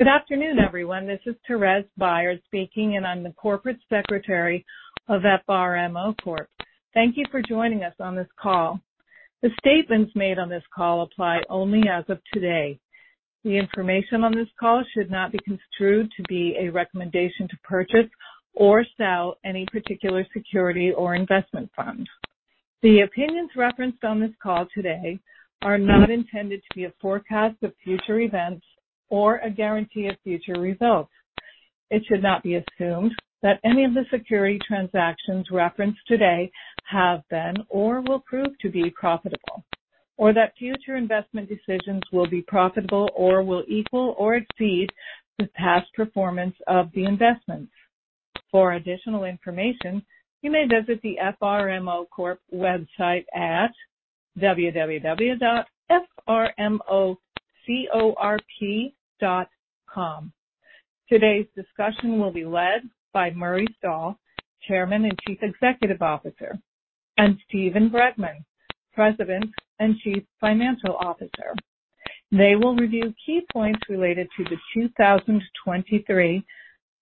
Good afternoon, everyone. This is Thérèse Byars speaking, and I'm the corporate secretary of FRMO Corp. Thank you for joining us on this call. The statements made on this call apply only as of today. The information on this call should not be construed to be a recommendation to purchase or sell any particular security or investment fund. The opinions referenced on this call today are not intended to be a forecast of future events or a guarantee of future results. It should not be assumed that any of the security transactions referenced today have been or will prove to be profitable, or that future investment decisions will be profitable or will equal or exceed the past performance of the investments. For additional information, you may visit the FRMO Corp website at www.FRMOCORP.com. Today's discussion will be led by Murray Stahl, Chairman and Chief Executive Officer; and Steven Bregman, President and Chief Financial Officer. They will review key points related to the 2023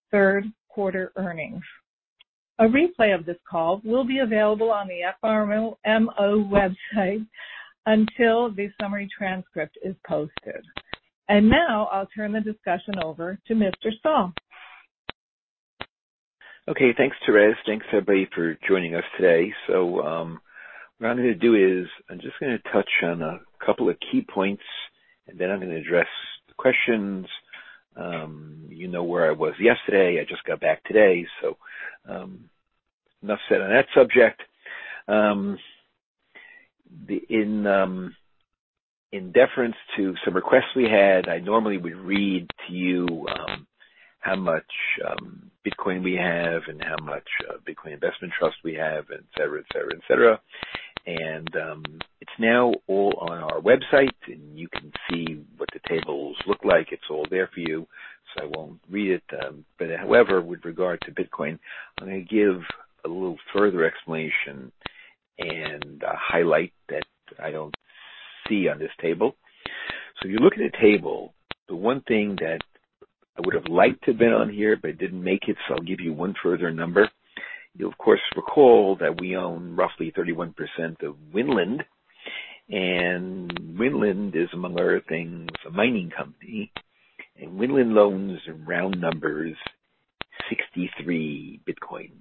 third quarter earnings. A replay of this call will be available on the FRMO website until the summary transcript is posted. Now I'll turn the discussion over to Mr. Stahl. Okay, thanks, Thérèse. Thanks, everybody, for joining us today. What I'm gonna do is I'm just gonna touch on a couple of key points, and then I'm gonna address the questions. you know where I was yesterday. I just got back today, so, enough said on that subject. In deference to some requests we had, I normally would read to you, how much Bitcoin we have and how much Grayscale Bitcoin Trust we have, et cetera, et cetera, et cetera. It's now all on our website, and you can see what the tables look like. It's all there for you, so I won't read it. However, with regard to Bitcoin, I'm gonna give a little further explanation and a highlight that I don't see on this table. If you look at the table, the one thing that I would have liked to have been on here but it didn't make it, I'll give you one further number. You'll of course recall that we own roughly 31% of Winland is, among other things, a mining company. Winland loans in round numbers 63 Bitcoin.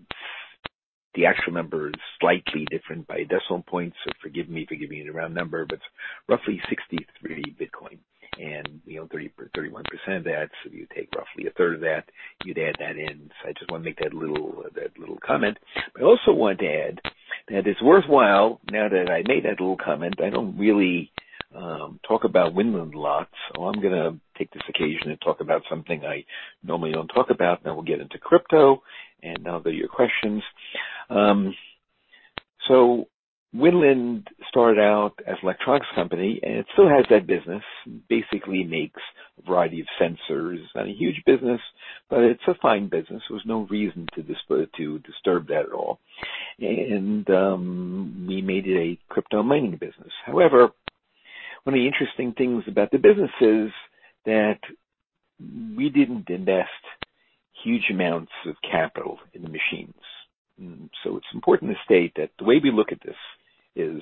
The actual number is slightly different by a decimal point, forgive me for giving you the round number, but roughly 63 Bitcoin. We own 31% of that, you take roughly a third of that, you'd add that in. I just wanna make that little comment. I also want to add that it's worthwhile now that I made that little comment, I don't really talk about Winland lots, so I'm gonna take this occasion to talk about something I normally don't talk about. We'll get into crypto, and now they're your questions. Winland started out as an electronics company and it still has that business. Basically makes a variety of sensors. Not a huge business, but it's a fine business. There was no reason to disturb that at all. We made it a crypto mining business. However, one of the interesting things about the business is that we didn't invest huge amounts of capital in the machines. It's important to state that the way we look at this is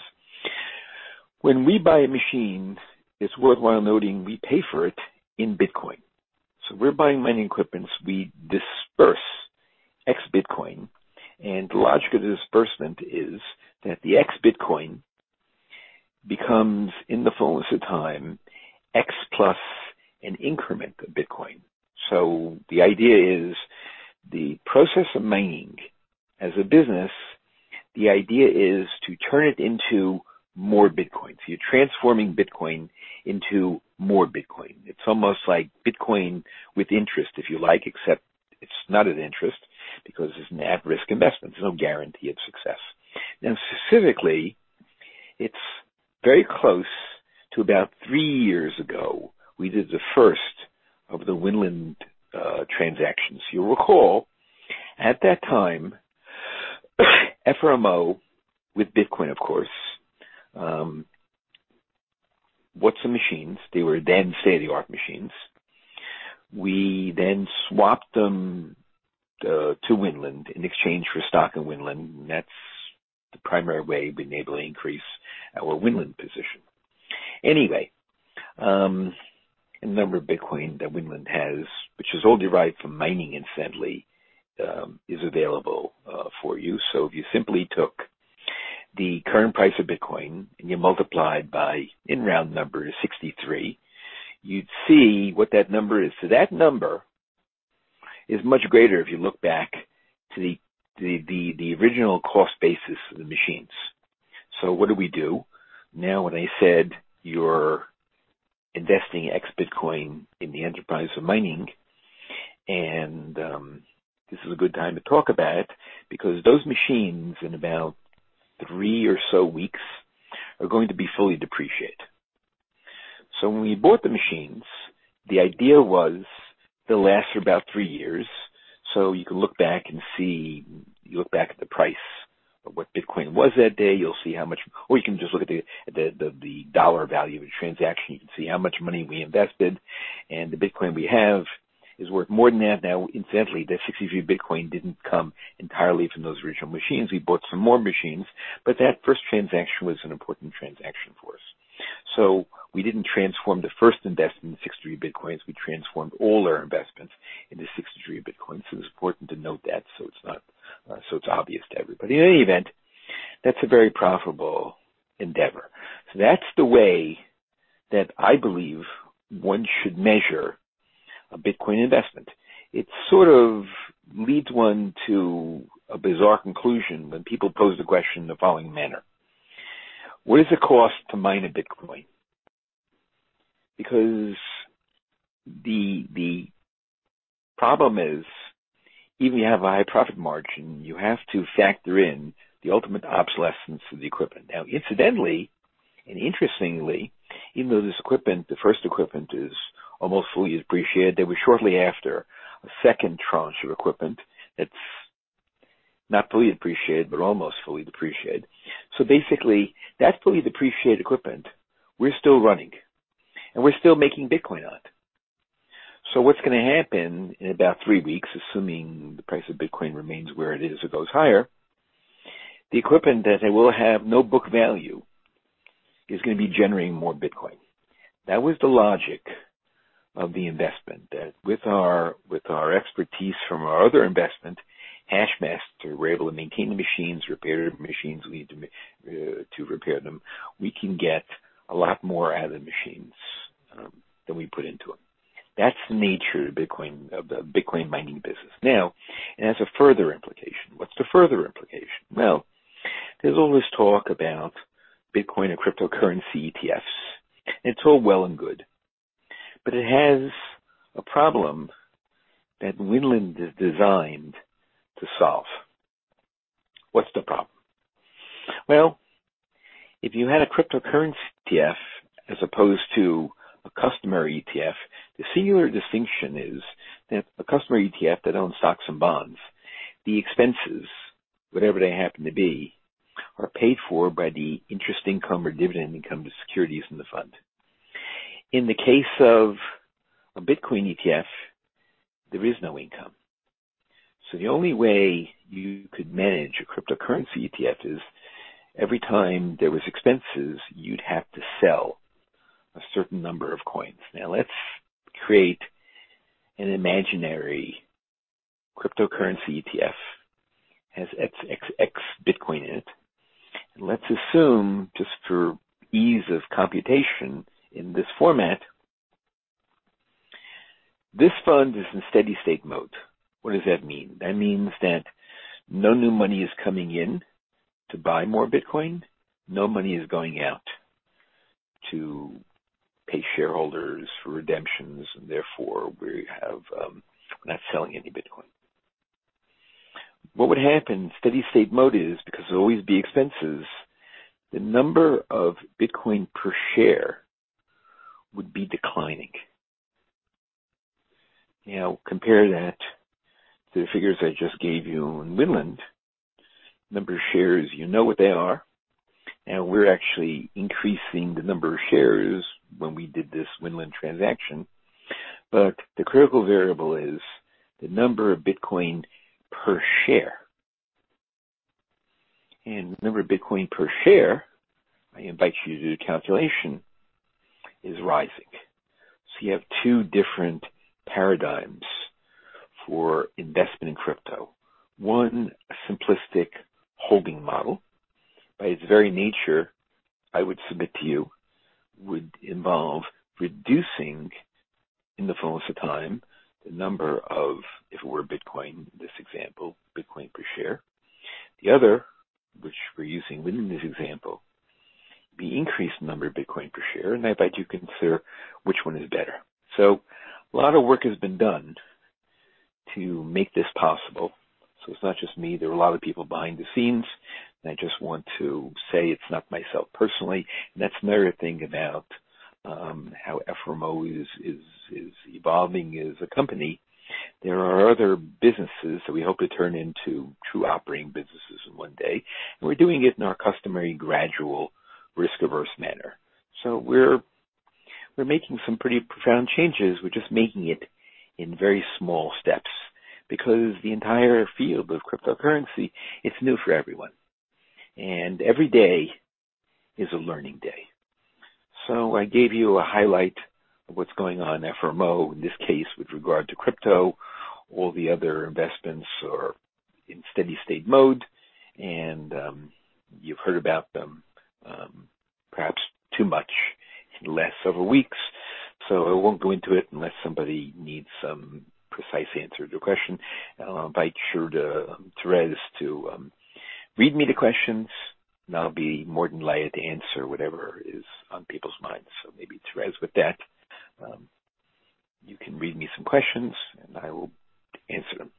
when we buy a machine, it's worthwhile noting we pay for it in Bitcoin. When we're buying mining equipments, we disperse X Bitcoin, and the logic of the disbursement is that the X Bitcoin becomes, in the fullness of time, X plus an increment of Bitcoin. The idea is the process of mining as a business, the idea is to turn it into more Bitcoin. You're transforming Bitcoin into more Bitcoin. It's almost like Bitcoin with interest, if you like, except it's not an interest because it's an at-risk investment. There's no guarantee of success. Specifically, it's very close to about three years ago, we did the first of the Winland transactions. You'll recall at that time, FRMO with Bitcoin, of course, what's the machines? They were then state-of-the-art machines. We then swapped them to Winland in exchange for stock in Winland. That's the primary way we've been able to increase our Winland position. Anyway, the number of Bitcoin that Winland has, which is all derived from mining incidentally, is available for you. If you simply took the current price of Bitcoin and you multiply it by, in round numbers, 63, you'd see what that number is. That number is much greater if you look back to the original cost basis of the machines. What do we do? Now when I said you're investing X Bitcoin in the enterprise of mining, and this is a good time to talk about it because those machines in about three or so weeks are going to be fully depreciated. When we bought the machines, the idea was they'll last for about three years. You can look back and see. You look back at the price-But what Bitcoin was that day, you'll see how much. Or you can just look at the, the dollar value of the transaction. You can see how much money we invested, and the Bitcoin we have is worth more than that now. Incidentally, that 63 Bitcoin didn't come entirely from those original machines. We bought some more machines, but that first transaction was an important transaction for us. We didn't transform the first investment in 63 Bitcoins. We transformed all our investments into 63 Bitcoins. It's important to note that so it's not, so it's obvious to everybody. In any event, that's a very profitable endeavor. That's the way that I believe one should measure a Bitcoin investment. It sort of leads one to a bizarre conclusion when people pose the question in the following manner: What is the cost to mine a Bitcoin? The problem is, even if you have a high profit margin, you have to factor in the ultimate obsolescence of the equipment. Incidentally and interestingly, even though this equipment, the first equipment, is almost fully depreciated, there was shortly after a second tranche of equipment that's not fully depreciated, but almost fully depreciated. Basically, that's fully depreciated equipment we're still running, and we're still making Bitcoin on. What's gonna happen in about three weeks, assuming the price of Bitcoin remains where it is or goes higher, the equipment that they will have no book value is gonna be generating more Bitcoin. That was the logic of the investment, that with our, with our expertise from our other investment, HashMaster, we're able to maintain the machines, repair the machines we need to repair them. We can get a lot more out of the machines than we put into them. That's the nature of Bitcoin, of the Bitcoin mining business. It has a further implication. What's the further implication? Well, there's all this talk about Bitcoin and cryptocurrency ETFs, and it's all well and good, but it has a problem that Winland is designed to solve. What's the problem? Well, if you had a cryptocurrency ETF as opposed to a customary ETF, the singular distinction is that a customary ETF that owns stocks and bonds, the expenses, whatever they happen to be, are paid for by the interest income or dividend income to securities in the fund. In the case of a Bitcoin ETF, there is no income. The only way you could manage a cryptocurrency ETF is every time there was expenses, you'd have to sell a certain number of coins. Let's create an imaginary cryptocurrency ETF. It has xxx Bitcoin in it. Let's assume, just for ease of computation in this format, this fund is in steady-state mode. What does that mean? That means that no new money is coming in to buy more Bitcoin. No money is going out to pay shareholders for redemptions, therefore we have, we're not selling any Bitcoin. What would happen, steady-state mode is because there will always be expenses, the number of Bitcoin per share would be declining. Compare that to the figures I just gave you on Winland. Number of shares, you know what they are. We're actually increasing the number of shares when we did this Winland transaction. The critical variable is the number of Bitcoin per share. The number of Bitcoin per share, I invite you to do the calculation, is rising. You have two different paradigms for investment in crypto. One, a simplistic holding model. By its very nature, I would submit to you, would involve reducing, in the fullness of time, the number of, if it were Bitcoin, this example, Bitcoin per share. The other, which we're using within this example, the increased number of Bitcoin per share, and I invite you to consider which one is better. A lot of work has been done to make this possible, so it's not just me. There are a lot of people behind the scenes, and I just want to say it's not myself personally. That's another thing about how FRMO is evolving as a company. There are other businesses that we hope to turn into true operating businesses one day, and we're doing it in our customary gradual risk-averse manner. We're making some pretty profound changes. We're just making it in very small steps because the entire field of cryptocurrency, it's new for everyone, and every day is a learning day. I gave you a highlight of what's going on at FRMO, in this case with regard to crypto. All the other investments are in steady-state mode, and you've heard about them, perhaps too much in the last several weeks, so I won't go into it unless somebody needs some precise answer to a question. I'll invite you sure to, Thérèse, to read me the questions, and I'll be more than glad to answer whatever is on people's minds. Maybe, Thérèse, with that, you can read me some questions, and I will answer them.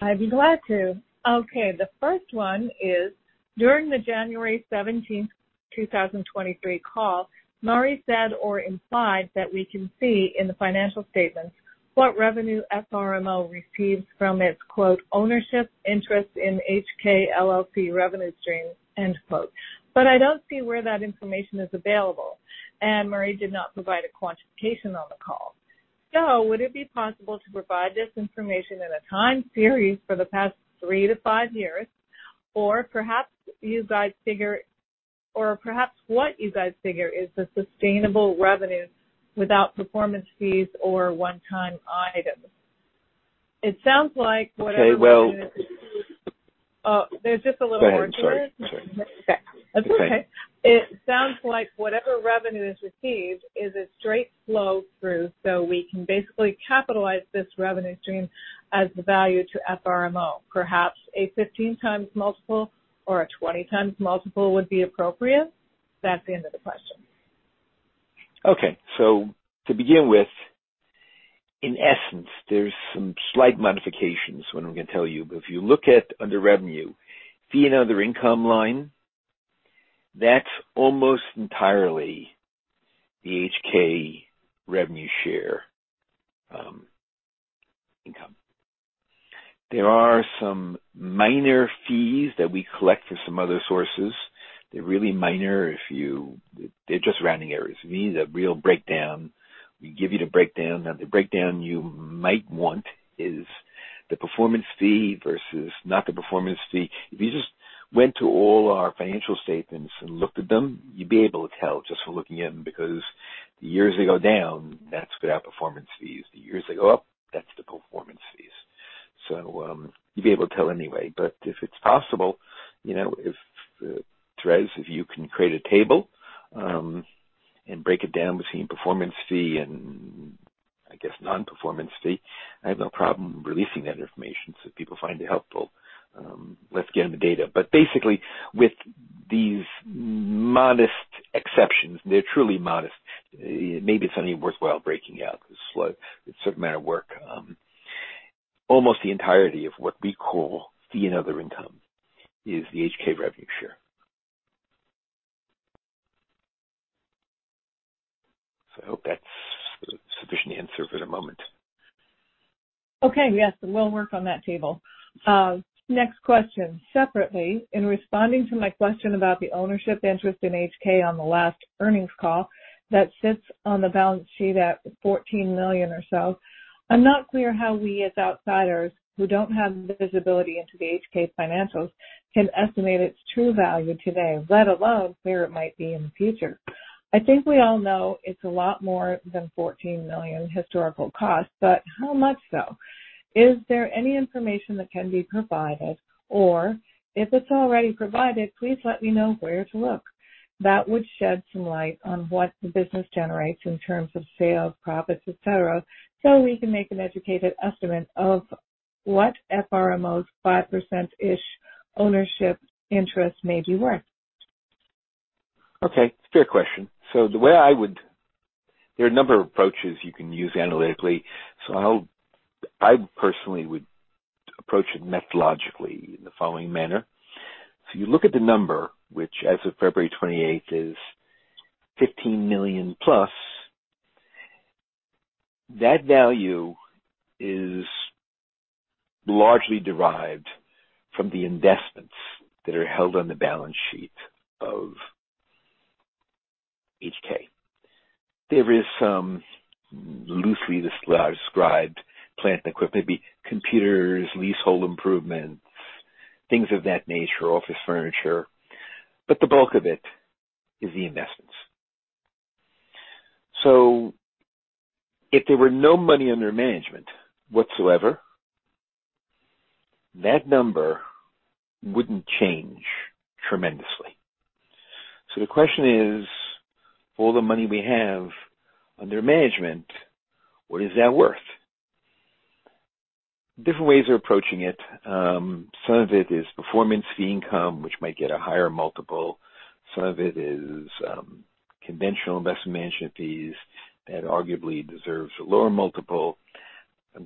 I'd be glad to. Okay, the first one is: During the January 17th, 2023 call, Murray said or implied that we can see in the financial statements what revenue FRMO receives from its “ownership interest in HK LLC revenue stream.” I don't see where that information is available, and Marie did not provide a quantification on the call. Would it be possible to provide this information in a time series for the past three to five years? Perhaps what you guys figure is the sustainable revenue without performance fees or one-time items. It sounds like whatever. Okay. Oh, there's just a little more here. Go ahead. Sorry. That's okay. It sounds like whatever revenue is received is a straight flow through, so we can basically capitalize this revenue stream as the value to FRMO. Perhaps a 15x multiple or a 20x multiple would be appropriate. That's the end of the question. To begin with, in essence, there's some slight modifications, what I'm gonna tell you. If you look at under revenue, fee and other income line, that's almost entirely the HK revenue share income. There are some minor fees that we collect from some other sources. They're really minor. They're just rounding errors. If you need a real breakdown, we give you the breakdown. The breakdown you might want is the performance fee versus not the performance fee. If you just went to all our financial statements and looked at them, you'd be able to tell just by looking at them, because the years they go down, that's without performance fees. The years they go up, that's the performance fees. You'd be able to tell anyway. If it's possible, you know, if Thérèse, if you can create a table, and break it down between performance fee and I guess non-performance fee, I have no problem releasing that information. If people find it helpful, let's get them the data. Basically, with these modest exceptions, they're truly modest. Maybe it's only worthwhile breaking out. It's like a certain amount of work. Almost the entirety of what we call fee and other income is the HK revenue share. I hope that's a sufficient answer for the moment. Okay. Yes, we'll work on that table. Next question. Separately, in responding to my question about the ownership interest in HK on the last earnings call that sits on the balance sheet at $14 million or so, I'm not clear how we, as outsiders who don't have the visibility into the HK financials, can estimate its true value today, let alone where it might be in the future. I think we all know it's a lot more than $14 million historical cost. How much so? Is there any information that can be provided? If it's already provided, please let me know where to look. That would shed some light on what the business generates in terms of sales, profits, et cetera, so we can make an educated estimate of what FRMO's 5%-ish ownership interest may be worth. Okay, fair question. There are a number of approaches you can use analytically. I personally would approach it methodologically in the following manner. If you look at the number, which as of February 28th is $15 million plus, that value is largely derived from the investments that are held on the balance sheet of HK. There is some loosely described plant and equipment, computers, leasehold improvements, things of that nature, office furniture, but the bulk of it is the investments. If there were no money under management whatsoever, that number wouldn't change tremendously. The question is, all the money we have under management, what is that worth? Different ways of approaching it. Some of it is performance fee income, which might get a higher multiple. Some of it is conventional investment management fees that arguably deserves a lower multiple.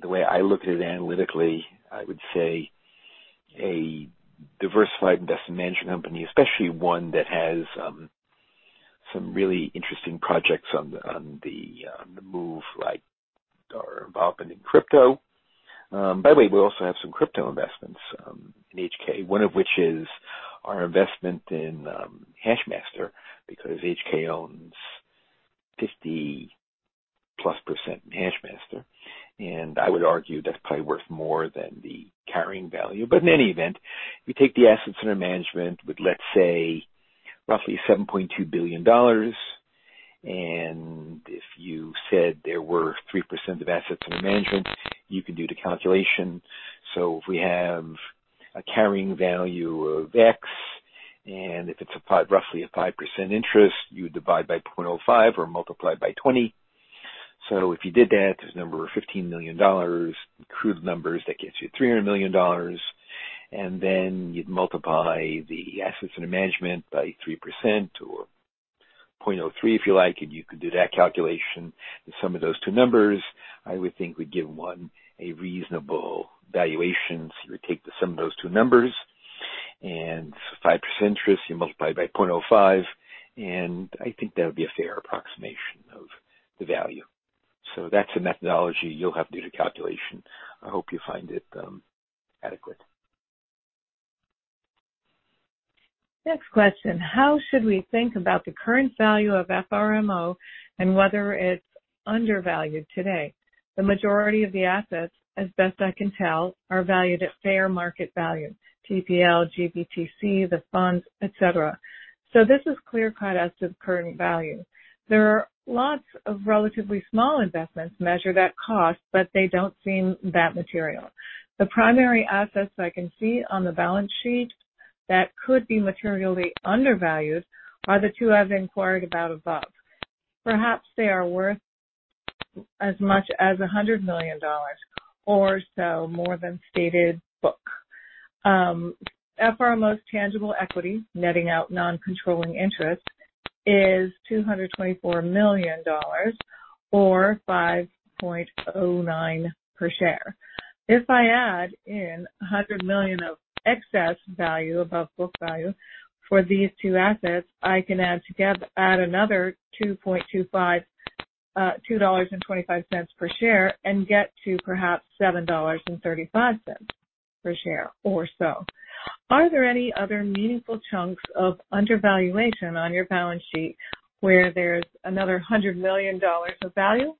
The way I look at it analytically, I would say a diversified investment management company, especially one that has some really interesting projects on the move, like our involvement in crypto. By the way, we also have some crypto investments in HK, one of which is our investment in HashMaster, because HK owns 50%+ in HashMaster, and I would argue that's probably worth more than the carrying value. In any event, we take the assets under management with, let's say, roughly $7.2 billion, and if you said there were 3% of assets under management, you could do the calculation. If we have a carrying value of X and if it's roughly a 5% interest, you would divide by 0.05 or multiply by 20. If you did that, the number of $15 million, crude numbers, that gets you $300 million. Then you'd multiply the assets under management by 3% or 0.03 if you like. You could do that calculation. The sum of those two numbers, I would think, would give one a reasonable valuation. You would take the sum of those two numbers. Five percent interest, you multiply by 0.05, and I think that would be a fair approximation of the value. That's a methodology you'll have to do the calculation. I hope you find it adequate. Next question. How should we think about the current value of FRMO and whether it's undervalued today? The majority of the assets, as best I can tell, are valued at fair market value, TPL, GBTC, the funds, et cetera. This is clear-cut as to the current value. There are lots of relatively small investments measured at cost, but they don't seem that material. The primary assets I can see on the balance sheet that could be materially undervalued are the two I've inquired about above. Perhaps they are worth as much as $100 million or so more than stated book. FRMO's tangible equity, netting out non-controlling interest, is $224 million or $5.09 per share. If I add in $100 million of excess value above book value for these two assets, I can add another $2.25 per share and get to perhaps $7.35 per share or so. Are there any other meaningful chunks of undervaluation on your balance sheet where there's another $100 million of value?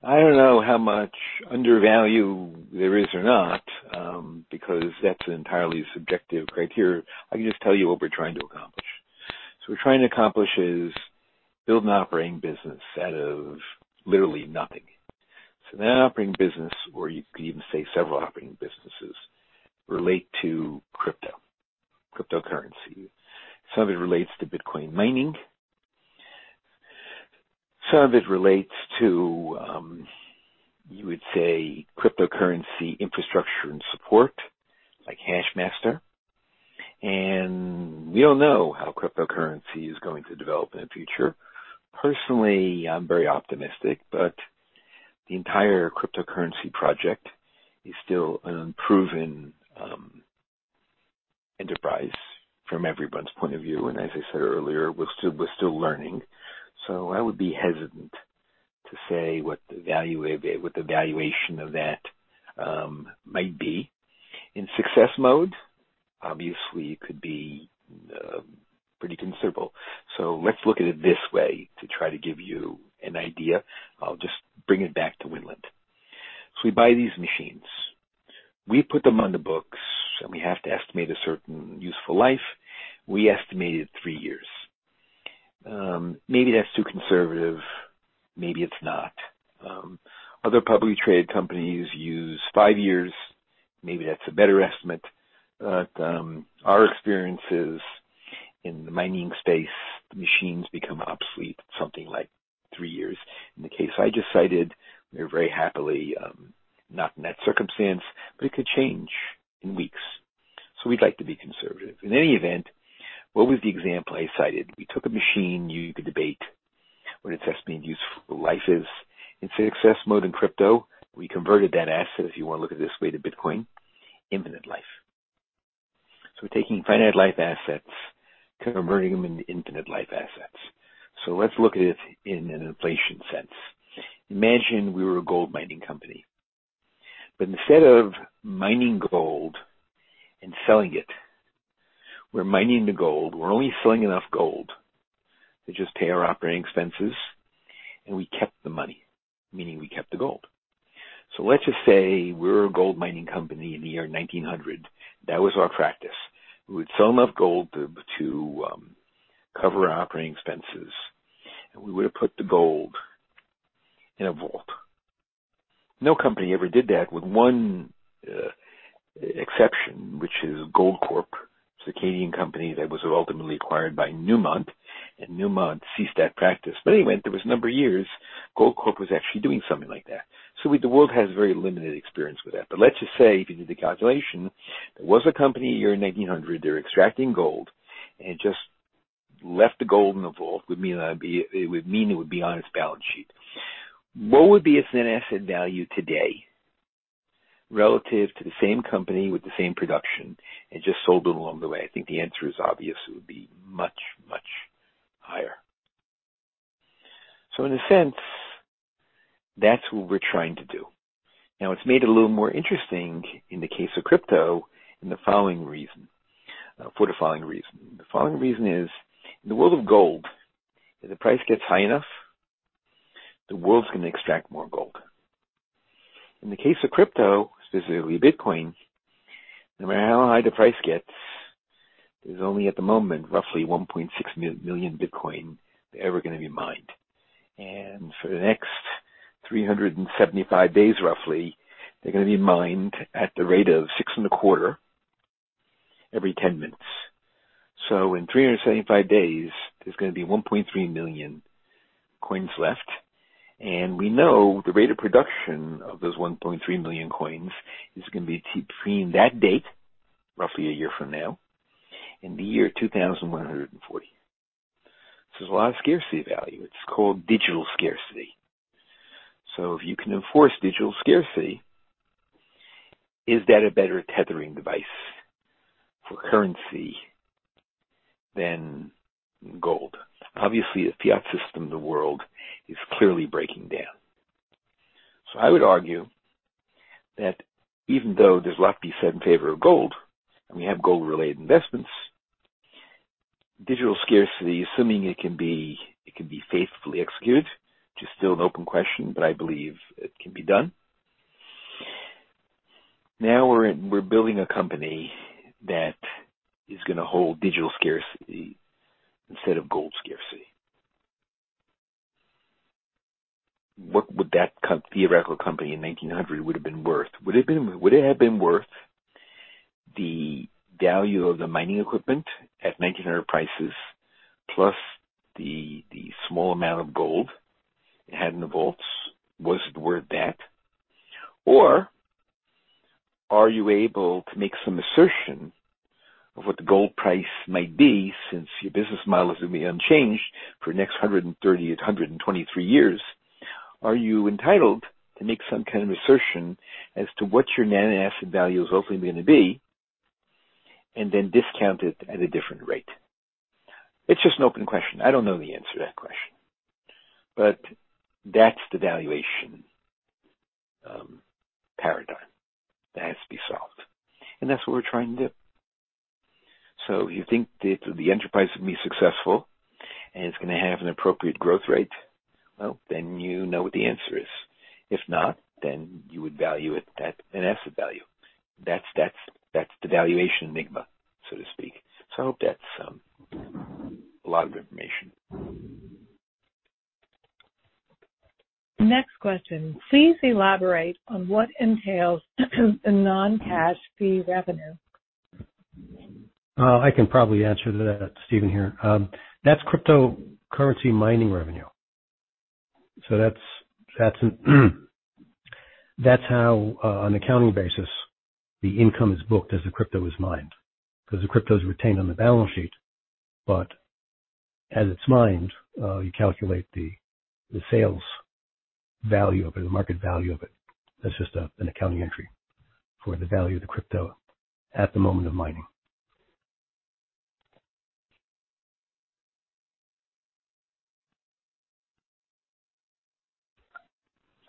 I don't know how much undervalue there is or not, because that's an entirely subjective criteria. I can just tell you what we're trying to accomplish. What we're trying to accomplish is build an operating business out of literally nothing. That operating business, or you could even say several operating businesses, relate to crypto, cryptocurrency. Some of it relates to Bitcoin mining. Some of it relates to, you would say cryptocurrency infrastructure and support, like HashMaster. We don't know how cryptocurrency is going to develop in the future. Personally, I'm very optimistic, but the entire cryptocurrency project is still an unproven enterprise from everyone's point of view, and as I said earlier, we're still learning. I would be hesitant to say what the value of it, what the valuation of that, might be. In success mode, obviously it could be pretty considerable. Let's look at it this way to try to give you an idea. I'll just bring it back to Winland. We buy these machines. We put them on the books, and we have to estimate a certain useful life. We estimated three years. Maybe that's too conservative. Maybe it's not. Other publicly traded companies use five years. Maybe that's a better estimate. Our experience is in the mining space, the machines become obsolete, something like three years. In the case I just cited, we're very happily not in that circumstance, but it could change in weeks. We'd like to be conservative. In any event, what was the example I cited? We took a machine. You could debate what its estimated useful life is. In success mode in crypto, we converted that asset, if you want to look at it this way, to Bitcoin. Infinite life. We're taking finite life assets, converting them into infinite life assets. Let's look at it in an inflation sense. Imagine we were a gold mining company. Instead of mining gold and selling it, we're mining the gold. We're only selling enough gold to just pay our operating expenses, and we kept the money, meaning we kept the gold. Let's just say we're a gold mining company in the year 1900. That was our practice. We would sell enough gold to cover our operating expenses, and we would have put the gold in a vault. No company ever did that with one exception, which is Goldcorp. It's a Canadian company that was ultimately acquired by Newmont, and Newmont ceased that practice. There was a number of years Goldcorp was actually doing something like that. The world has very limited experience with that. If you do the calculation, there was a company in the year 1900, they're extracting gold and just left the gold in the vault. It would mean it would be on its balance sheet. What would be its net asset value today relative to the same company with the same production and just sold it along the way? I think the answer is obvious. It would be much, much higher. In a sense, that's what we're trying to do. Now, it's made it a little more interesting in the case of crypto in the following reason. For the following reason. The following reason is, in the world of gold, if the price gets high enough, the world's going to extract more gold. In the case of crypto, specifically Bitcoin, no matter how high the price gets, there's only at the moment roughly 1.6 million Bitcoin ever going to be mined. For the next 375 days, roughly, they're gonna be mined at the rate of 6.25 every 10 minutes. In 375 days, there's gonna be 1.3 million coins left. We know the rate of production of those 1.3 million coins is going to be between that date, roughly a year from now, and the year 2140. There's a lot of scarcity value. It's called digital scarcity. If you can enforce digital scarcity, is that a better tethering device for currency than gold? Obviously, the fiat system in the world is clearly breaking down. I would argue that even though there's lot be said in favor of gold, and we have gold related investments, digital scarcity, assuming it can be faithfully executed, which is still an open question, but I believe it can be done. We're building a company that is gonna hold digital scarcity instead of gold scarcity. What would that theoretical company in 1900 would have been worth? Would it have been worth the value of the mining equipment at 1900 prices plus the small amount of gold it had in the vaults? Was it worth that? Are you able to make some assertion of what the gold price might be since your business model is gonna be unchanged for next 123 years? Are you entitled to make some kind of assertion as to what your net asset value is ultimately gonna be and then discount it at a different rate? It's just an open question. I don't know the answer to that question, but that's the valuation paradigm that has to be solved. That's what we're trying to do. You think that the enterprise will be successful and it's gonna have an appropriate growth rate, well, then you know what the answer is. If not, then you would value it at an asset value. That's the valuation enigma, so to speak. I hope that's a lot of information. Next question. Please elaborate on what entails a non-cash fee revenue. I can probably answer that. Steven here. That's cryptocurrency mining revenue. That's how, on an accounting basis, the income is booked as the crypto is mined, 'cause the crypto is retained on the balance sheet, but as it's mined, you calculate the sales value of it, the market value of it. That's just an accounting entry for the value of the crypto at the moment of mining.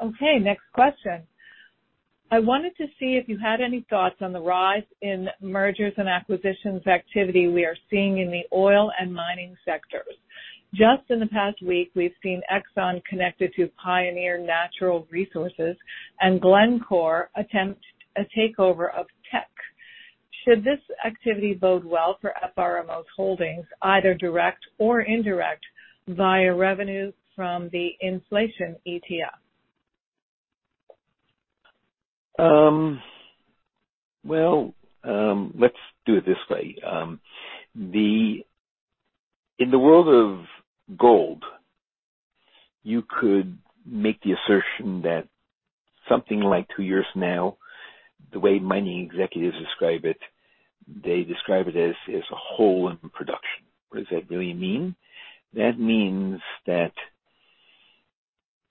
Okay, next question. I wanted to see if you had any thoughts on the rise in mergers and acquisitions activity we are seeing in the oil and mining sectors. Just in the past week, we've seen Exxon connected to Pioneer Natural Resources and Glencore attempt a takeover of Teck. Should this activity bode well for FRMO's holdings, either direct or indirect, via revenue from the Inflation ETF? Well, let's do it this way. In the world of gold, you could make the assertion that something like two years now, the way mining executives describe it, they describe it as a hole in production. What does that really mean? That means that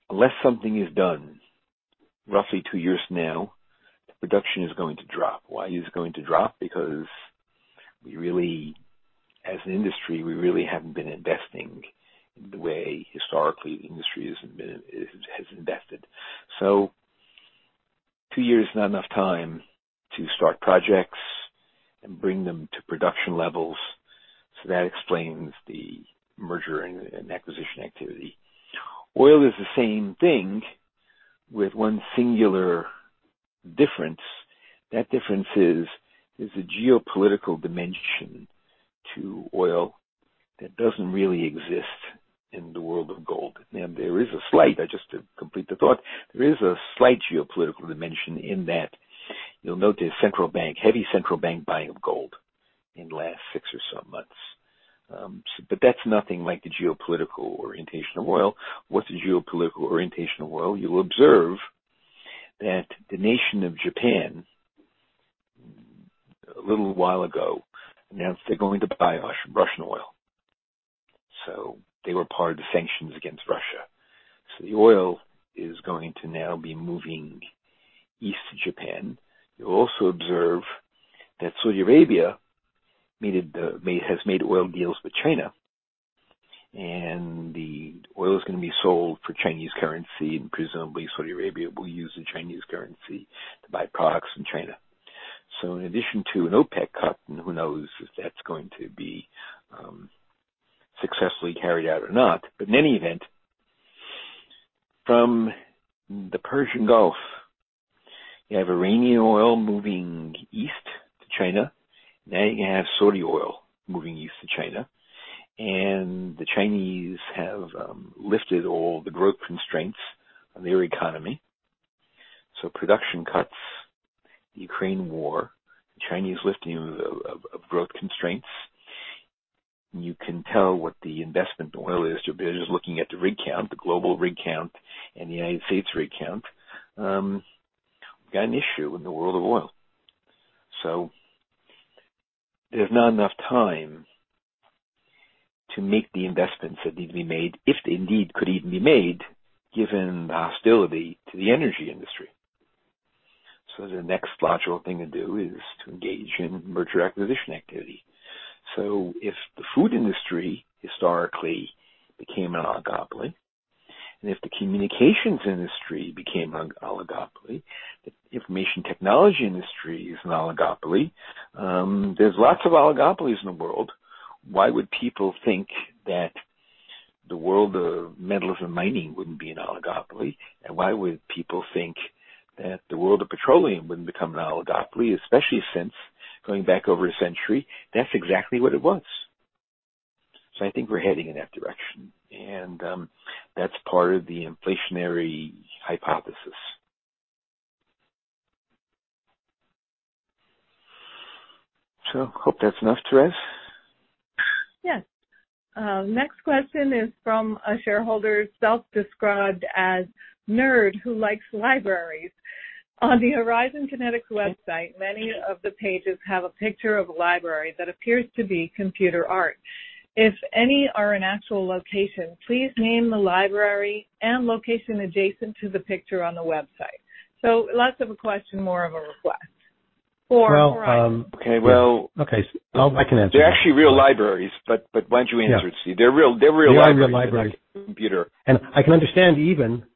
unless something is done roughly two years from now, the production is going to drop. Why is it going to drop? Because we really, as an industry, we really haven't been investing in the way historically industry has been, has invested. Two years is not enough time to start projects and bring them to production levels, so that explains the merger and acquisition activity. Oil is the same thing with one singular difference. That difference is there's a geopolitical dimension to oil that doesn't really exist in the world of go;d. There is a slight, just to complete the thought, there is a slight geopolitical dimension in that you'll note there's central bank, heavy central bank buying of gold in the last six or so months. That's nothing like the geopolitical orientation of oil. What's the geopolitical orientation of oil? You'll observe that the nation of Japan, a little while ago, announced they're going to buy Russian oil. They were part of the sanctions against Russia. The oil is going to now be moving east to Japan. You'll also observe that Saudi Arabia has made oil deals with China, and the oil is gonna be sold for Chinese currency, and presumably Saudi Arabia will use the Chinese currency to buy products from China. In addition to an OPEC cut, and who knows if that's going to be successfully carried out or not, but in any event, from the Persian Gulf, you have Iranian oil moving east to China. You're gonna have Saudi oil moving east to China. The Chinese have lifted all the growth constraints on their economy. Production cuts, the Ukraine war, the Chinese lifting of growth constraints. You can tell what the investment oil is by just looking at the rig count, the global rig count and the United States rig count. We've got an issue in the world of oil. There's not enough time to make the investments that need to be made, if they indeed could even be made, given the hostility to the energy industry. The next logical thing to do is to engage in merger acquisition activity. If the food industry historically became an oligopoly, and if the communications industry became an oligopoly, the information technology industry is an oligopoly. There's lots of oligopolies in the world. Why would people think that the world of metals and mining wouldn't be an oligopoly? Why would people think that the world of petroleum wouldn't become an oligopoly? Especially since going back over a century, that's exactly what it was. I think we're heading in that direction. That's part of the inflationary hypothesis. Hope that's enough, Thérèse. Yes. Next question is from a shareholder self-described as nerd who likes libraries. On the Horizon Kinetics website, many of the pages have a picture of a library that appears to be computer art. If any are an actual location, please name the library and location adjacent to the picture on the website. Less of a question, more of a request. Well. Okay. Okay. I can answer. They're actually real libraries. Why don't you answer it, Steven? They're real libraries. They are real libraries. Computer. I can understand.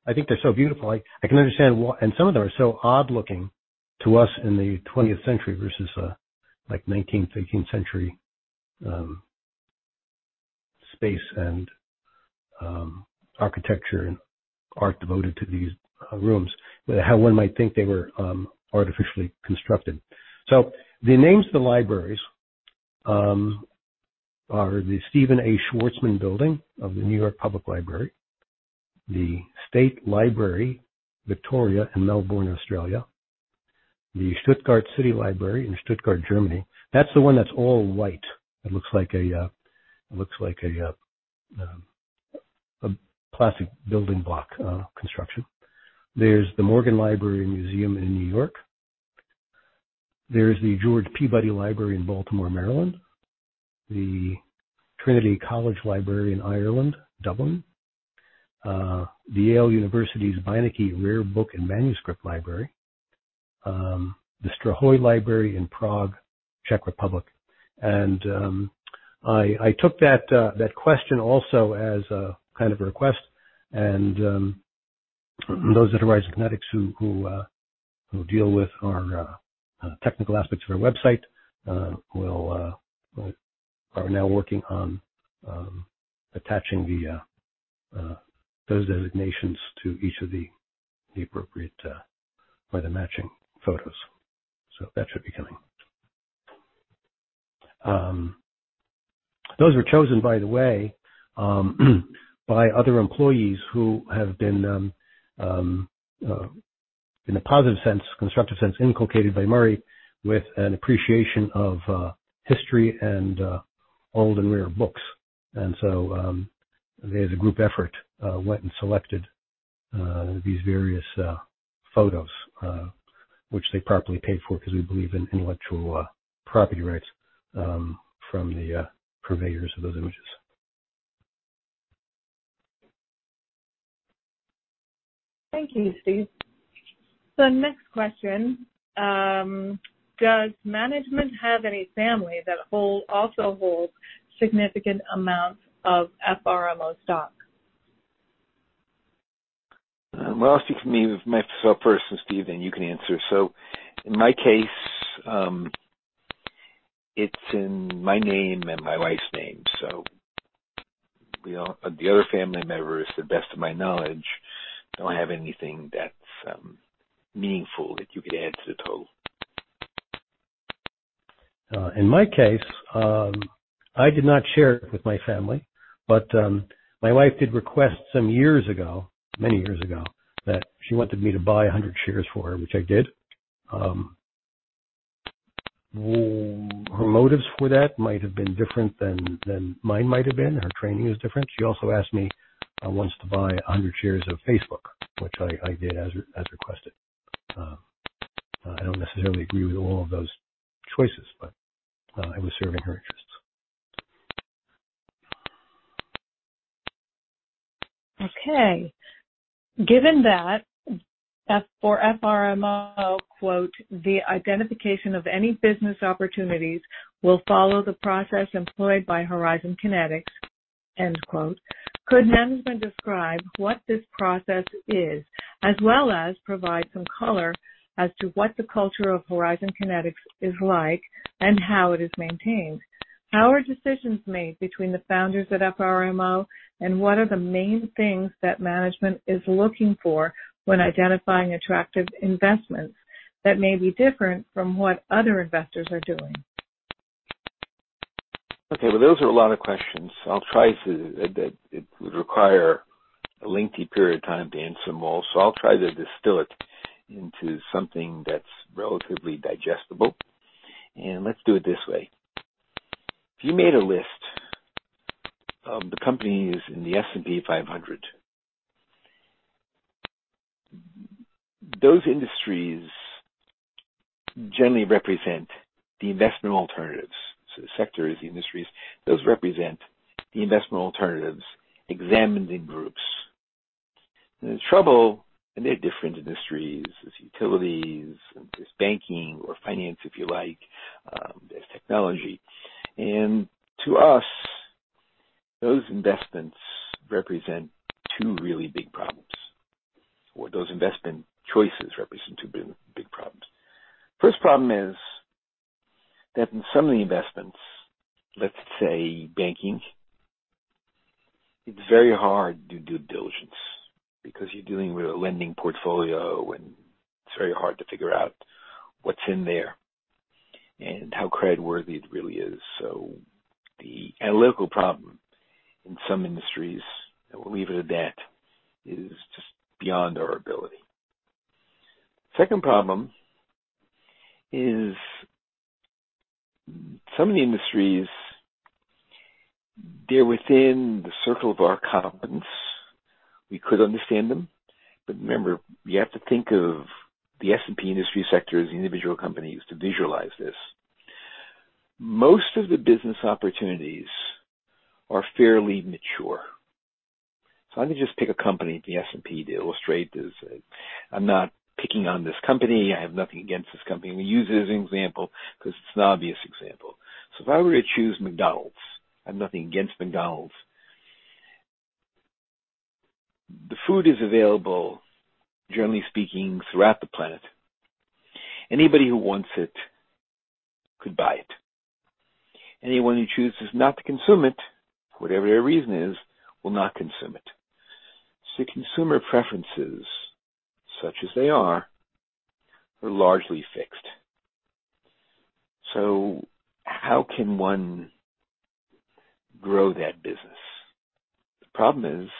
I think they're so beautiful. I can understand why some of them are so odd looking to us in the twentieth century versus a, like, nineteenth, eighteenth century space and architecture and art devoted to these rooms, how one might think they were artificially constructed. The names of the libraries are the Stephen A. Schwarzman Building of the New York Public Library, the State Library Victoria in Melbourne, Australia, the Stuttgart City Library in Stuttgart, Germany. That's the one that's all white. It looks like a plastic building block construction. There's the Morgan Library & Museum in New York. There's the George Peabody Library in Baltimore, Maryland, The Trinity College Library in Ireland, Dublin, the Yale University's Beinecke Rare Book and Manuscript Library, the Strahov Library in Prague, Czech Republic. I took that question also as a kind of a request. Those at Horizon Kinetics who deal with our technical aspects of our website, are now working on attaching those designations to each of the appropriate or the matching photos. That should be coming. Those were chosen, by the way, by other employees who have been in a positive sense, constructive sense, inculcated by Murray with an appreciation of history and old and rare books. There's a group effort went and selected these various photos, which they properly paid for because we believe in intellectual property rights from the purveyors of those images. Thank you, Steven. The next question, does management have any family that also holds significant amounts of FRMO stock? I'll speak for me, myself first, and Steven, then you can answer. In my case, it's in my name and my wife's name. The other family member, is to the best of my knowledge, don't have anything that's meaningful that you could add to the total. In my case, I did not share it with my family, but my wife did request some years ago, many years ago, that she wanted me to buy 100 shares for her, which I did. Her motives for that might have been different than mine might have been. Her training is different. She also asked me once to buy 100 shares of Facebook, which I did as requested. I don't necessarily agree with all of those choices, but I was serving her interests. Okay. Given that, for FRMO quote, "The identification of any business opportunities will follow the process employed by Horizon Kinetics." End quote. Could management describe what this process is, as well as provide some color as to what the culture of Horizon Kinetics is like and how it is maintained? How are decisions made between the founders at FRMO, and what are the main things that management is looking for when identifying attractive investments that may be different from what other investors are doing? Okay, well, those are a lot of questions. I'll try to. It would require a lengthy period of time to answer them all. I'll try to distill it into something that's relatively digestible. Let's do it this way. If you made a list of the companies in the S&P 500. Those industries generally represent the investment alternatives. The sectors, the industries, those represent the investment alternatives examined in groups. The trouble, they're different industries. There's utilities, there's banking or finance, if you like, there's technology. To us, those investments represent two really big problems, or those investment choices represent two big problems. First problem is that in some of the investments, let's say banking, it's very hard to do due diligence because you're dealing with a lending portfolio, and it's very hard to figure out what's in there and how creditworthy it really is. The analytical problem in some industries, and we'll leave it at that, is just beyond our ability. Second problem is some of the industries, they're within the circle of our competence. We could understand them. Remember, you have to think of the S&P industry sector as individual companies to visualize this. Most of the business opportunities are fairly mature. Let me just pick a company in the S&P to illustrate this. I'm not picking on this company. I have nothing against this company. We use it as an example because it's an obvious example. If I were to choose McDonald's, I have nothing against McDonald's. The food is available, generally speaking, throughout the planet. Anybody who wants it could buy it. Anyone who chooses not to consume it, whatever their reason is, will not consume it. Consumer preferences, such as they are largely fixed. How can one grow that business? The problem is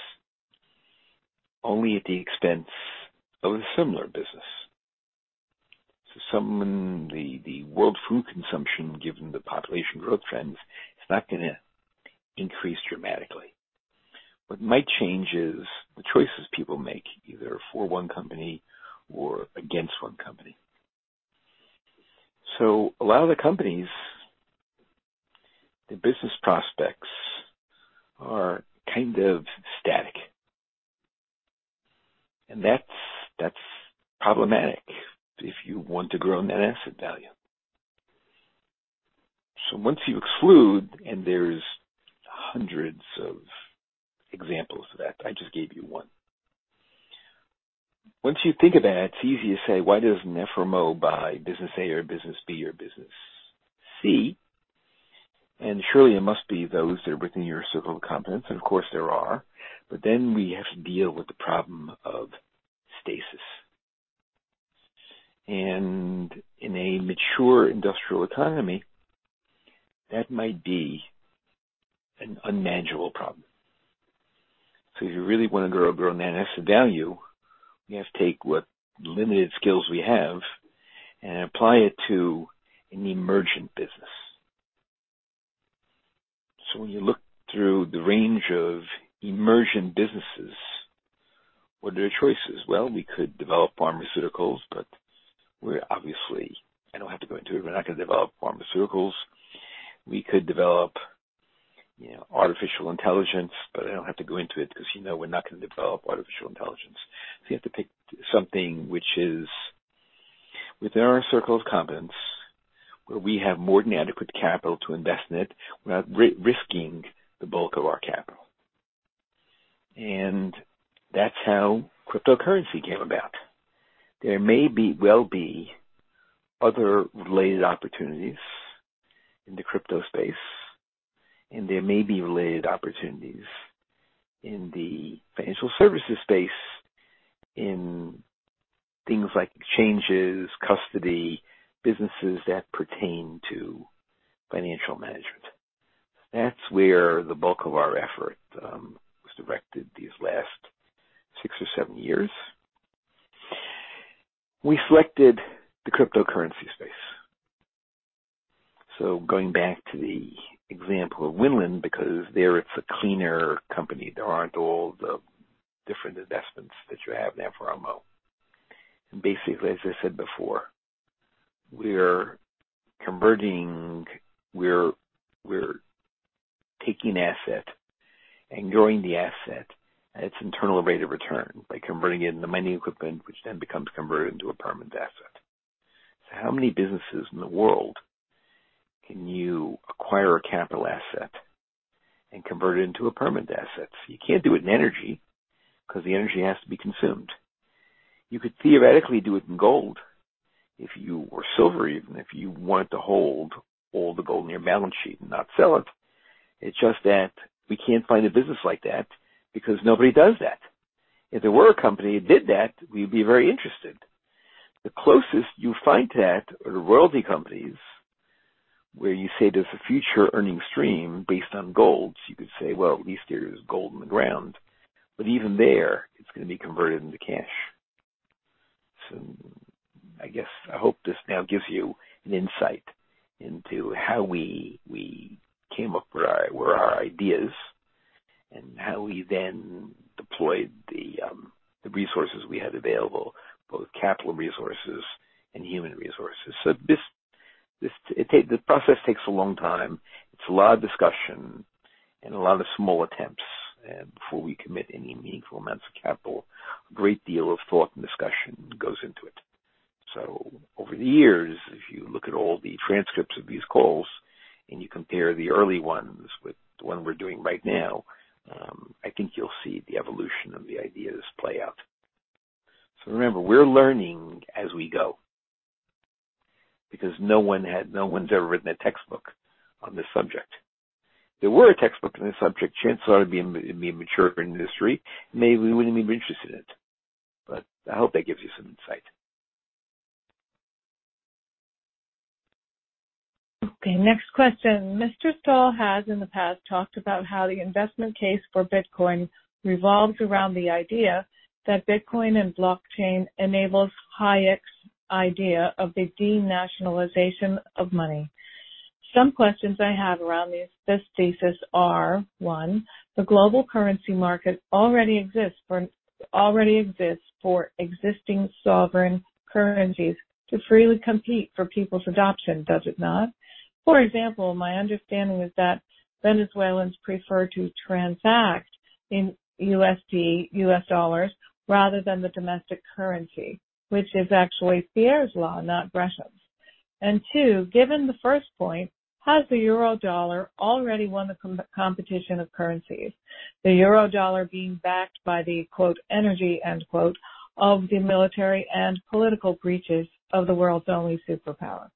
only at the expense of a similar business. The world food consumption, given the population growth trends, is not gonna increase dramatically. What might change is the choices people make, either for one company or against one company. A lot of the companies, the business prospects are kind of static. That's problematic if you want to grow net asset value. Once you exclude, and there's hundreds of examples of that, I just gave you one. Once you think of that, it's easy to say, why does FRMO buy business A or business B or business C? Surely it must be those that are within your circle of competence. Of course, there are. Then we have to deal with the problem of stasis. In a mature industrial economy, that might be an unmanageable problem. If you really want to grow net asset value, we have to take what limited skills we have and apply it to an emergent business. When you look through the range of emergent businesses, what are your choices? We could develop pharmaceuticals, but I don't have to go into it. We're not going to develop pharmaceuticals. We could develop, you know, artificial intelligence, but I don't have to go into it because you know we're not going to develop artificial intelligence. You have to pick something which is within our circle of competence, where we have more than adequate capital to invest in it without risking the bulk of our capital. That's how cryptocurrency came about. There may be, will be other related opportunities in the crypto space, and there may be related opportunities in the financial services space in things like exchanges, custody, businesses that pertain to financial management. That's where the bulk of our effort was directed these last six or seven years. We selected the cryptocurrency space. Going back to the example of Winland, because there it's a cleaner company. There aren't all the different investments that you have in FRMO. Basically, as I said before, we're converting, we're taking asset and growing the asset at its internal rate of return by converting it into money equipment, which then becomes converted into a permanent asset. How many businesses in the world can you acquire a capital asset and convert it into a permanent asset? You can't do it in energy because the energy has to be consumed. You could theoretically do it in gold if you or silver, even, if you wanted to hold all the gold in your balance sheet and not sell it. It's just that we can't find a business like that because nobody does that. If there were a company that did that, we'd be very interested. The closest you find that are royalty companies where you say there's a future earning stream based on gold. You could say, well, at least there is gold in the ground. Even there, it's going to be converted into cash. I guess I hope this now gives you an insight into how we came up with our, where our ideas, and how we then deployed the resources we had available, both capital resources and human resources. This, the process takes a long time. It's a lot of discussion and a lot of small attempts before we commit any meaningful amounts of capital. A great deal of thought and discussion goes into it. Over the years, if you look at all the transcripts of these calls, and you compare the early ones with the one we're doing right now, I think you'll see the evolution of the ideas play out. Remember, we're learning as we go, because no one's ever written a textbook on this subject. If there were a textbook on this subject, chances are it'd be a mature industry, and maybe we wouldn't even be interested in it. I hope that gives you some insight. Okay, next question. Mr. Stahl has in the past talked about how the investment case for Bitcoin revolves around the idea that Bitcoin and blockchain enables Hayek's idea of the denationalization of money. Some questions I have around this thesis are, one, the global currency market already exists for existing sovereign currencies to freely compete for people's adoption, does it not? For example, my understanding is that Venezuelans prefer to transact in USD, U.S. dollars rather than the domestic currency, which is actually Thiers' Law, not Gresham's. Two, given the first point, has the euro dollar already won the competition of currencies, the euro dollar being backed by the quote, energy, end quote, of the military and political breaches of the world's only superpower?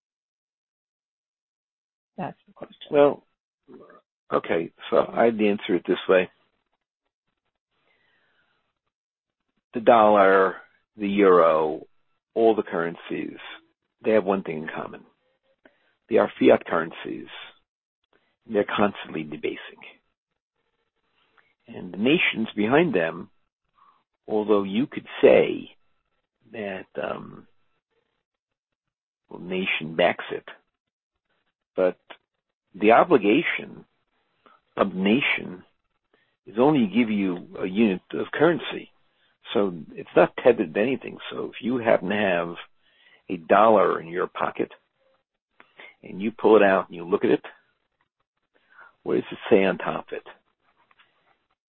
That's the question. Well, okay, I'd answer it this way. The dollar, the euro, all the currencies, they have one thing in common. They are fiat currencies. They're constantly debasing. The nations behind them, although you could say that, well, nation backs it, but the obligation of nation is only give you a unit of currency, so it's not tethered to anything. If you happen to have a dollar in your pocket, and you pull it out and you look at it, what does it say on top of it?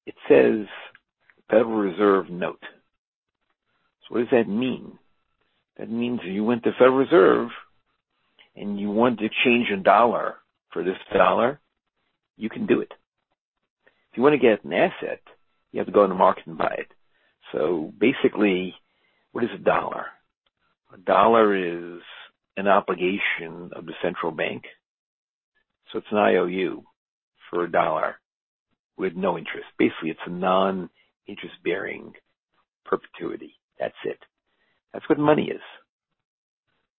It says Federal Reserve Note. What does that mean? That means if you went to the Federal Reserve, and you want to change a dollar for this dollar, you can do it. If you want to get an asset, you have to go on the market and buy it. Basically, what is a dollar? A dollar is an obligation of the central bank. It's an IOU for a dollar with no interest. Basically, it's a non-interest-bearing perpetuity. That's it. That's what money is.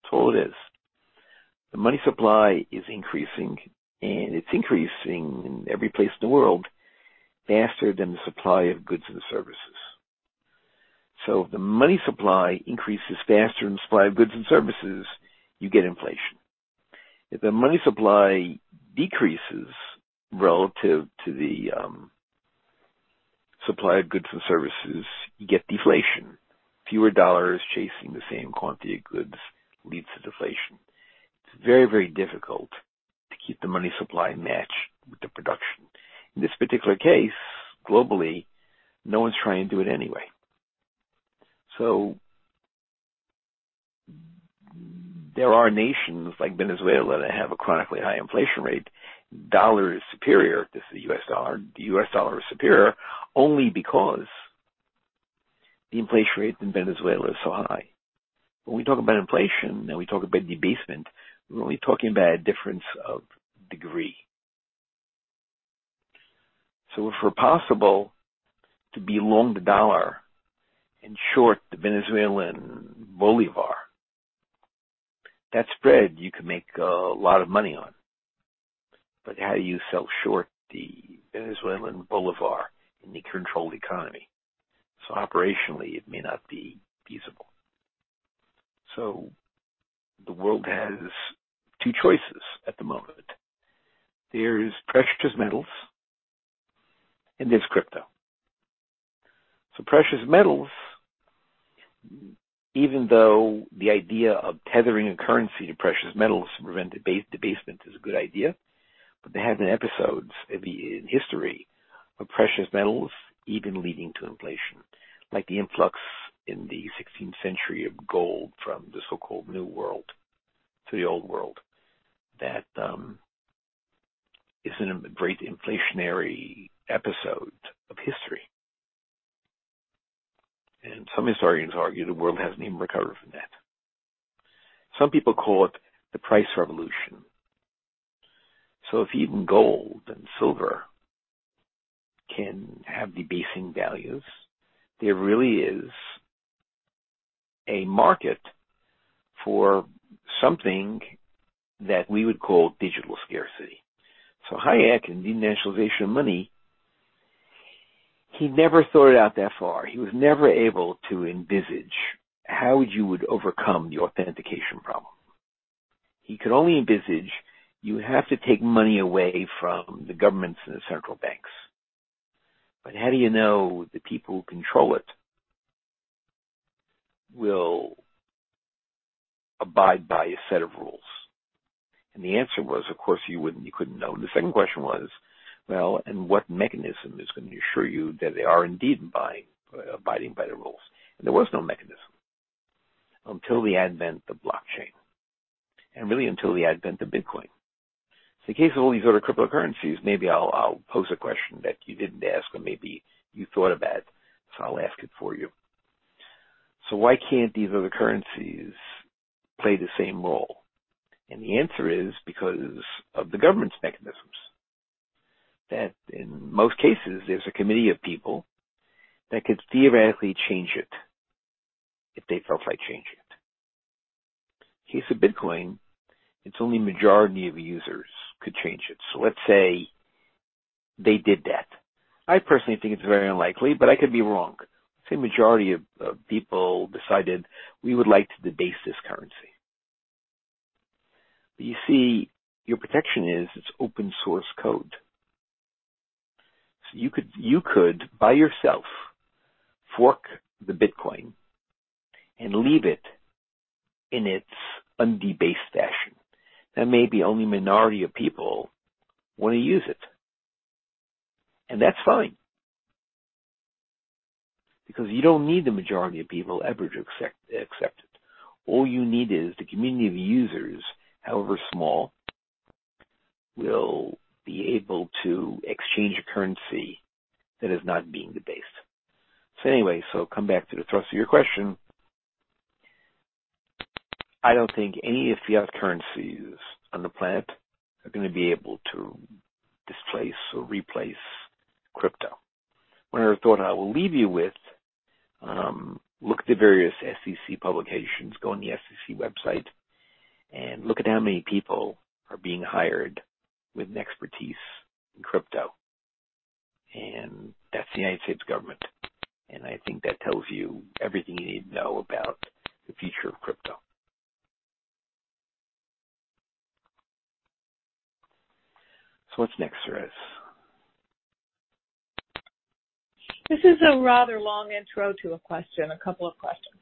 That's all it is. The money supply is increasing, and it's increasing in every place in the world faster than the supply of goods and services. If the money supply increases faster than the supply of goods and services, you get inflation. If the money supply decreases relative to the supply of goods and services, you get deflation. Fewer dollars chasing the same quantity of goods leads to deflation. It's very, very difficult to keep the money supply matched with the production. In this particular case, globally, no one's trying to do it anyway. There are nations like Venezuela that have a chronically high inflation rate. Dollar is superior. This is the U.S. dollar. The U.S. dollar is superior only because the inflation rate in Venezuela is so high. When we talk about inflation and we talk about debasement, we're only talking about a difference of degree. If it were possible to be long the dollar and short the Venezuelan bolivar, that spread you could make a lot of money on. How do you sell short the Venezuelan bolivar in a controlled economy? Operationally, it may not be feasible. The world has two choices at the moment. There's precious metals and there's crypto. Precious metals, even though the idea of tethering a currency to precious metals to prevent debasement is a good idea, but there have been episodes in history of precious metals even leading to inflation. Like the influx in the sixteenth century of gold from the so-called New World to the Old World. That is in a great inflationary episode of history. Some historians argue the world hasn't even recovered from that. Some people call it the price revolution. If even gold and silver can have debasing values, there really is a market for something that we would call digital scarcity. Hayek and Denationalisation of Money, he never thought it out that far. He was never able to envisage how you would overcome the authentication problem. He could only envisage you have to take money away from the governments and the central banks. How do you know the people who control it will abide by a set of rules? The answer was, of course, you wouldn't, you couldn't know. The second question was, what mechanism is going to assure you that they are indeed abiding by the rules? There was no mechanism until the advent of blockchain and really until the advent of Bitcoin. In case of all these other cryptocurrencies, maybe I'll pose a question that you didn't ask and maybe you thought about. I'll ask it for you. Why can't these other currencies play the same role? The answer is because of the government's mechanisms, that in most cases, there's a committee of people that could theoretically change it if they felt like changing it. In case of Bitcoin, it's only a majority of users could change it. Let's say they did that. I personally think it's very unlikely, but I could be wrong. Say majority of people decided we would like to debase this currency. You see, your protection is it's open source code. You could by yourself fork the Bitcoin and leave it in its undebased fashion. That may be only a minority of people want to use it, and that's fine, because you don't need the majority of people ever to accept it. All you need is the community of users, however small, will be able to exchange a currency that is not being debased. Anyway, come back to the thrust of your question. I don't think any of the fiat currencies on the planet are gonna be able to displace or replace crypto. One other thought I will leave you with, look at the various SEC publications. Go on the SEC website and look at how many people are being hired with expertise in crypto. That's the United States government. I think that tells you everything you need to know about the future of crypto. What's next, Thérèse? This is a rather long intro to a question, a couple of questions.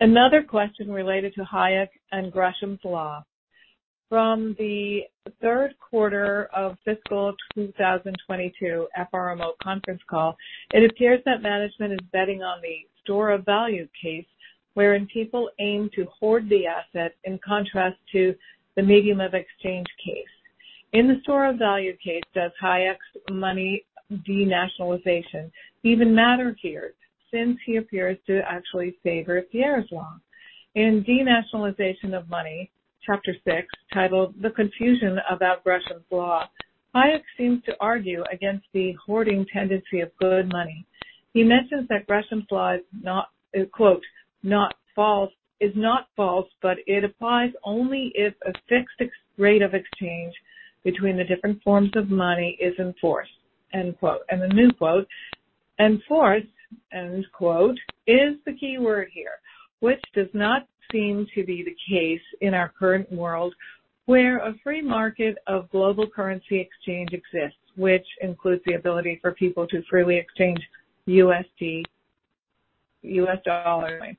Another question related to Hayek and Gresham's Law. From the third quarter of fiscal 2022 FRMO conference call, it appears that management is betting on the store of value case wherein people aim to hoard the asset, in contrast to the medium of exchange case. In the store of value case, does Hayek's money denationalization even matter here, since he appears to actually favor Thiers' Law? In Denationalisation of Money, chapter six, titled The Confusion About Gresham's Law, Hayek seems to argue against the hoarding tendency of good money. He mentions that Gresham's Law is not, quote, "Not false, but it applies only if a fixed rate of exchange between the different forms of money is enforced." End quote. A new quote, "Enforced," end quote, is the key word here, which does not seem to be the case in our current world, where a free market of global currency exchange exists, which includes the ability for people to freely exchange USD, U.S. dollars.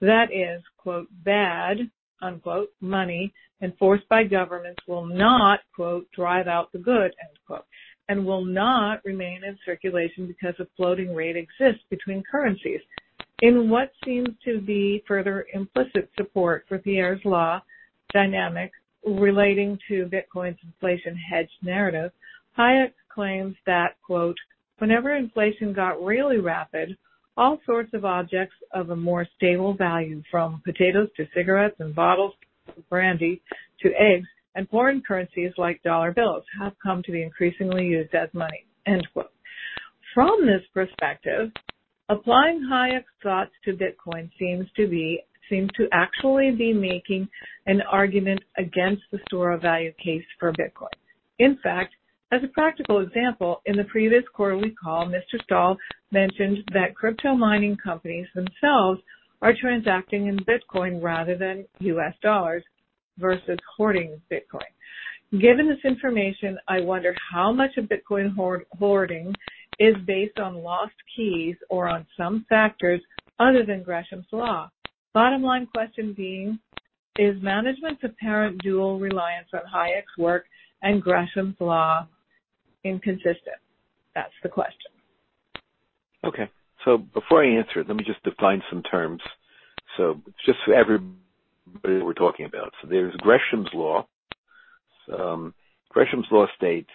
That is, quote, "Bad," unquote, money enforced by governments will not, quote, "Drive out the good." End quote. Will not remain in circulation because a floating rate exists between currencies. In what seems to be further implicit support for Thiers' Law dynamic relating to Bitcoin's inflation hedge narrative, Hayek claims that, quote, "Whenever inflation got really rapid, all sorts of objects of a more stable value, from potatoes to cigarettes and bottles of brandy to eggs and foreign currencies like dollar bills, have come to be increasingly used as money." End quote. From this perspective, applying Hayek's thoughts to Bitcoin seems to actually be making an argument against the store of value case for Bitcoin. In fact, as a practical example, in the previous quarterly call, Mr. Stahl mentioned that crypto mining companies themselves are transacting in Bitcoin rather than U.S. dollars versus hoarding Bitcoin. Given this information, I wonder how much of Bitcoin hoarding is based on lost keys or on some factors other than Gresham's Law. Bottom line question being, is management's apparent dual reliance on Hayek's work and Gresham's Law inconsistent? That's the question. Before I answer it, let me just define some terms. Just so everybody know what we're talking about. There's Gresham's Law. Gresham's Law states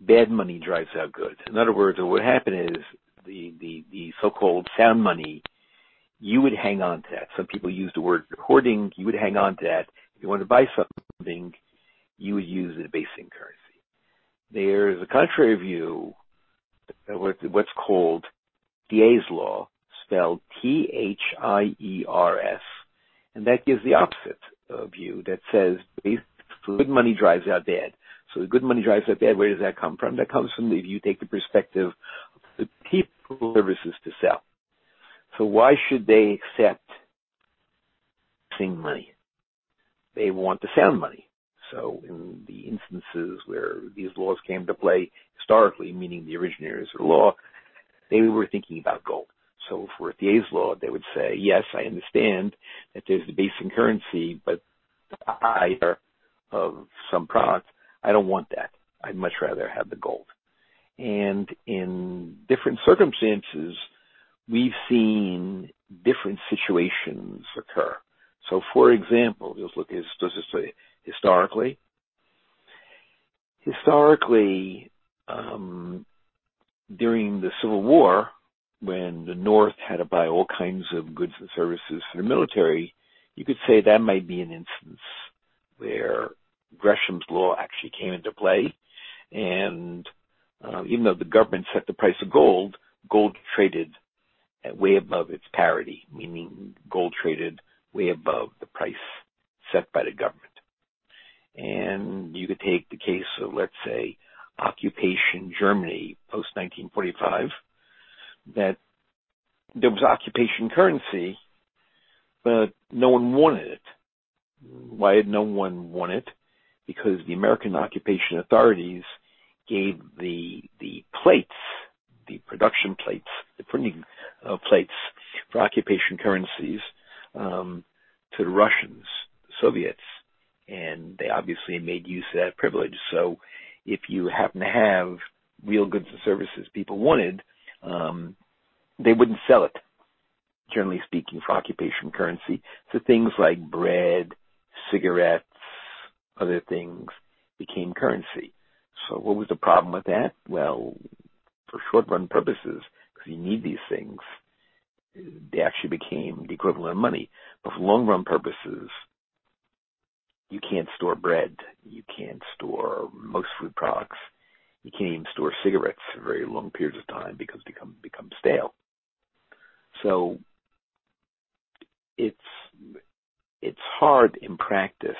bad money drives out good. In other words, what would happen is the so-called sound money, you would hang on to that. Some people use the word hoarding. You would hang on to that. If you want to buy something, you would use the debasing currency. There's a contrary view, what's called Thiers' Law, spelled T-H-I-E-R-S, and that gives the opposite view. That says based good money drives out bad. The good money drives out bad. Where does that come from? That comes from if you take the perspective of the people services to sell. Why should they accept bad money? They want to sell money. In the instances where these laws came to play historically, meaning the originators of the law, they were thinking about gold. For Thiers' Law, they would say, "Yes, I understand that there's the base in currency, but I are of some product. I don't want that. I'd much rather have the gold." In different circumstances, we've seen different situations occur. For example, let's look at, does it say historically? Historically, during the Civil War, when the North had to buy all kinds of goods and services for the military, you could say that might be an instance where Gresham's Law actually came into play. Even though the government set the price of gold traded way above its parity, meaning gold traded way above the price set by the government. You could take the case of, let's say, occupation Germany post-1945, that there was occupation currency, but no one wanted it. Why did no one want it? The American occupation authorities gave the plates, the production plates, the printing plates for occupation currencies to the Russians, Soviets, and they obviously made use of that privilege. If you happen to have real goods and services people wanted, they wouldn't sell it, generally speaking, for occupation currency. Things like bread, cigarettes, other things became currency. What was the problem with that? Well, for short-run purposes, because you need these things, they actually became the equivalent of money. For long-run purposes, you can't store bread. You can't store most food products. You can't even store cigarettes for very long periods of time because they become stale. It's hard in practice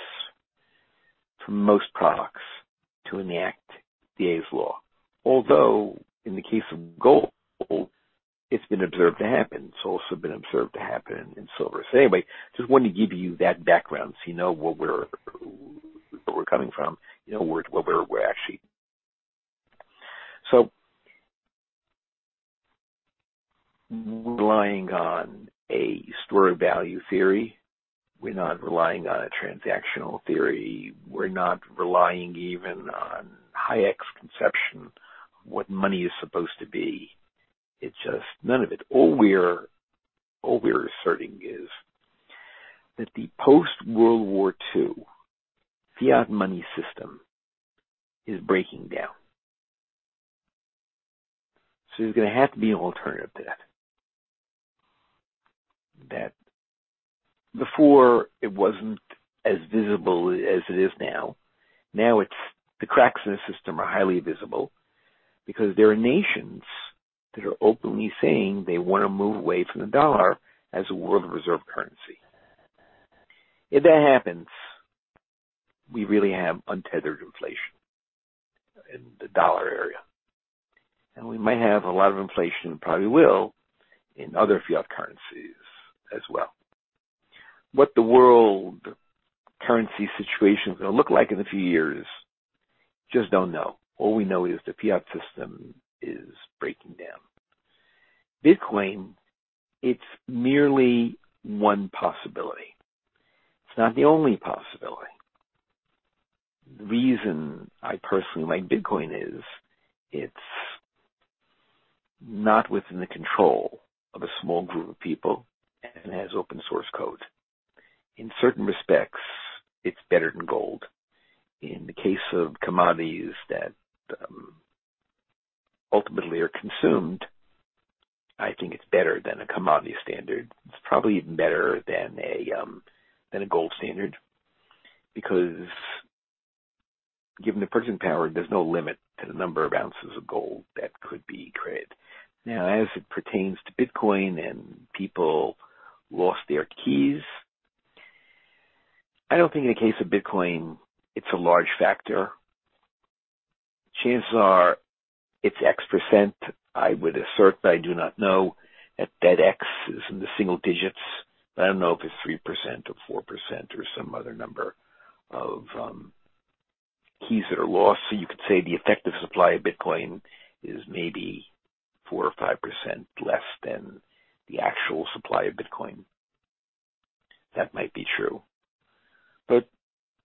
for most products to enact Thiers' Law, although in the case of gold, it's been observed to happen. It's also been observed to happen in silver. Anyway, just wanted to give you that background so you know what we're what we're coming from. You know, where we're actually. Relying on a store of value theory. We're not relying on a transactional theory. We're not relying even on Hayek's conception, what money is supposed to be. It's just none of it. All we're asserting is that the post-World War II fiat money system is breaking down. There's gonna have to be an alternative to that. That before it wasn't as visible as it is now. Now the cracks in the system are highly visible because there are nations that are openly saying they wanna move away from the dollar as a world reserve currency. If that happens, we really have untethered inflation in the dollar area, and we might have a lot of inflation, probably will, in other fiat currencies as well. What the world currency situation is gonna look like in a few years, just don't know. All we know is the fiat system is breaking down. Bitcoin, it's merely one possibility. It's not the only possibility. The reason I personally like Bitcoin is it's not within the control of a small group of people and has open source code. In certain respects, it's better than gold. In the case of commodities that ultimately are consumed, I think it's better than a commodity standard. It's probably even better than a, than a gold standard, because given the printing power, there's no limit to the number of ounces of gold that could be created. As it pertains to Bitcoin and people lost their keys, I don't think in the case of Bitcoin, it's a large factor. Chances are it's X%. I would assert that I do not know if that X is in the single digits. I don't know if it's 3% or 4% or some other number of keys that are lost. You could say the effective supply of Bitcoin is maybe 4% or 5% less than the actual supply of Bitcoin. That might be true.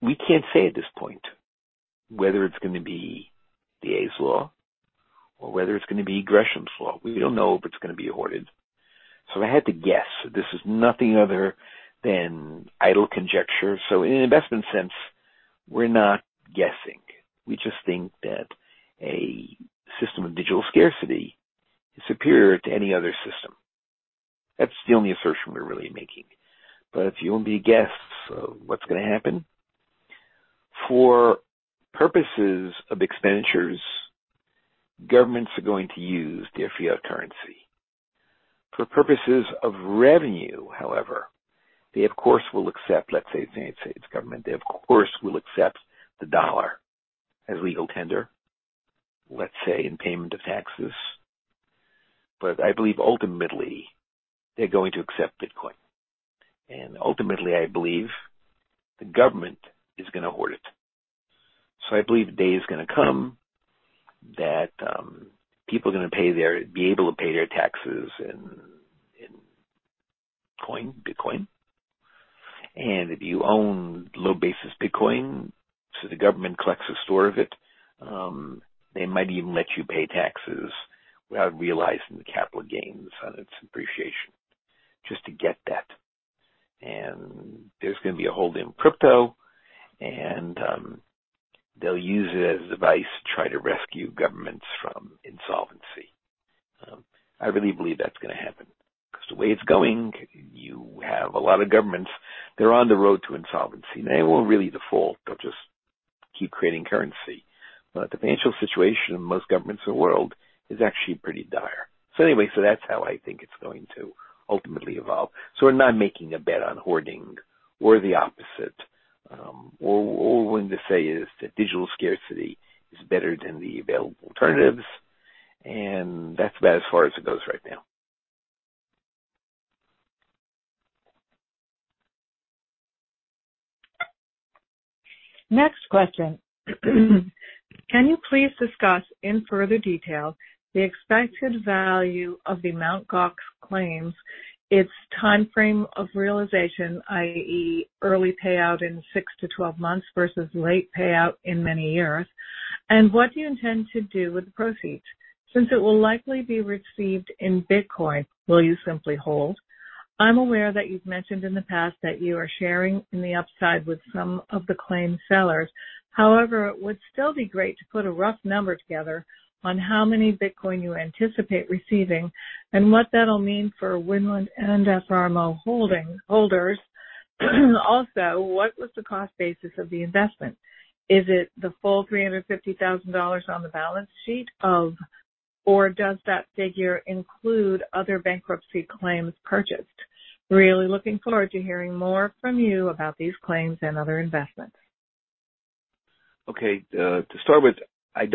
We can't say at this point whether it's gonna be Thiers' Law or whether it's gonna be Gresham's Law. We don't know if it's gonna be hoarded. If I had to guess, this is nothing other than idle conjecture. In an investment sense, we're not guessing. We just think that a system of digital scarcity is superior to any other system. That's the only assertion we're really making. If you want me to guess what's gonna happen. For purposes of expenditures, governments are going to use their fiat currency. For purposes of revenue, however, they of course will accept, let's say, the United States government, they of course will accept the dollar as legal tender, let's say, in payment of taxes. I believe ultimately they're going to accept Bitcoin. Ultimately, I believe the government is going to hoard it. I believe the day is going to come that people are going to be able to pay their taxes in coin, Bitcoin. If you own low basis Bitcoin, so the government collects a store of it, they might even let you pay taxes without realizing the capital gains on its appreciation just to get that. There's going to be a hold in crypto, and they'll use it as a device to try to rescue governments from insolvency. I really believe that's gonna happen because the way it's going, you have a lot of governments, they're on the road to insolvency. They won't really default. They'll just keep creating currency. The financial situation of most governments in the world is actually pretty dire. Anyway, that's how I think it's going to ultimately evolve. We're not making a bet on hoarding. We're the opposite. All we're going to say is that digital scarcity is better than the available alternatives, and that's about as far as it goes right now. Next question. Can you please discuss in further detail the expected value of the Mt. Gox claims, its timeframe of realization, i.e., early payout in six to 12 months versus late payout in many years, and what do you intend to do with the proceeds? Since it will likely be received in Bitcoin, will you simply hold? I'm aware that you've mentioned in the past that you are sharing in the upside with some of the claim sellers. It would still be great to put a rough number together on how many Bitcoin you anticipate receiving and what that'll mean for Winland and FRMO holders. What was the cost basis of the investment? Is it the full $350,000 on the balance sheet of, or does that figure include other bankruptcy claims purchased? Really looking forward to hearing more from you about these claims and other investments. Okay. To start with, I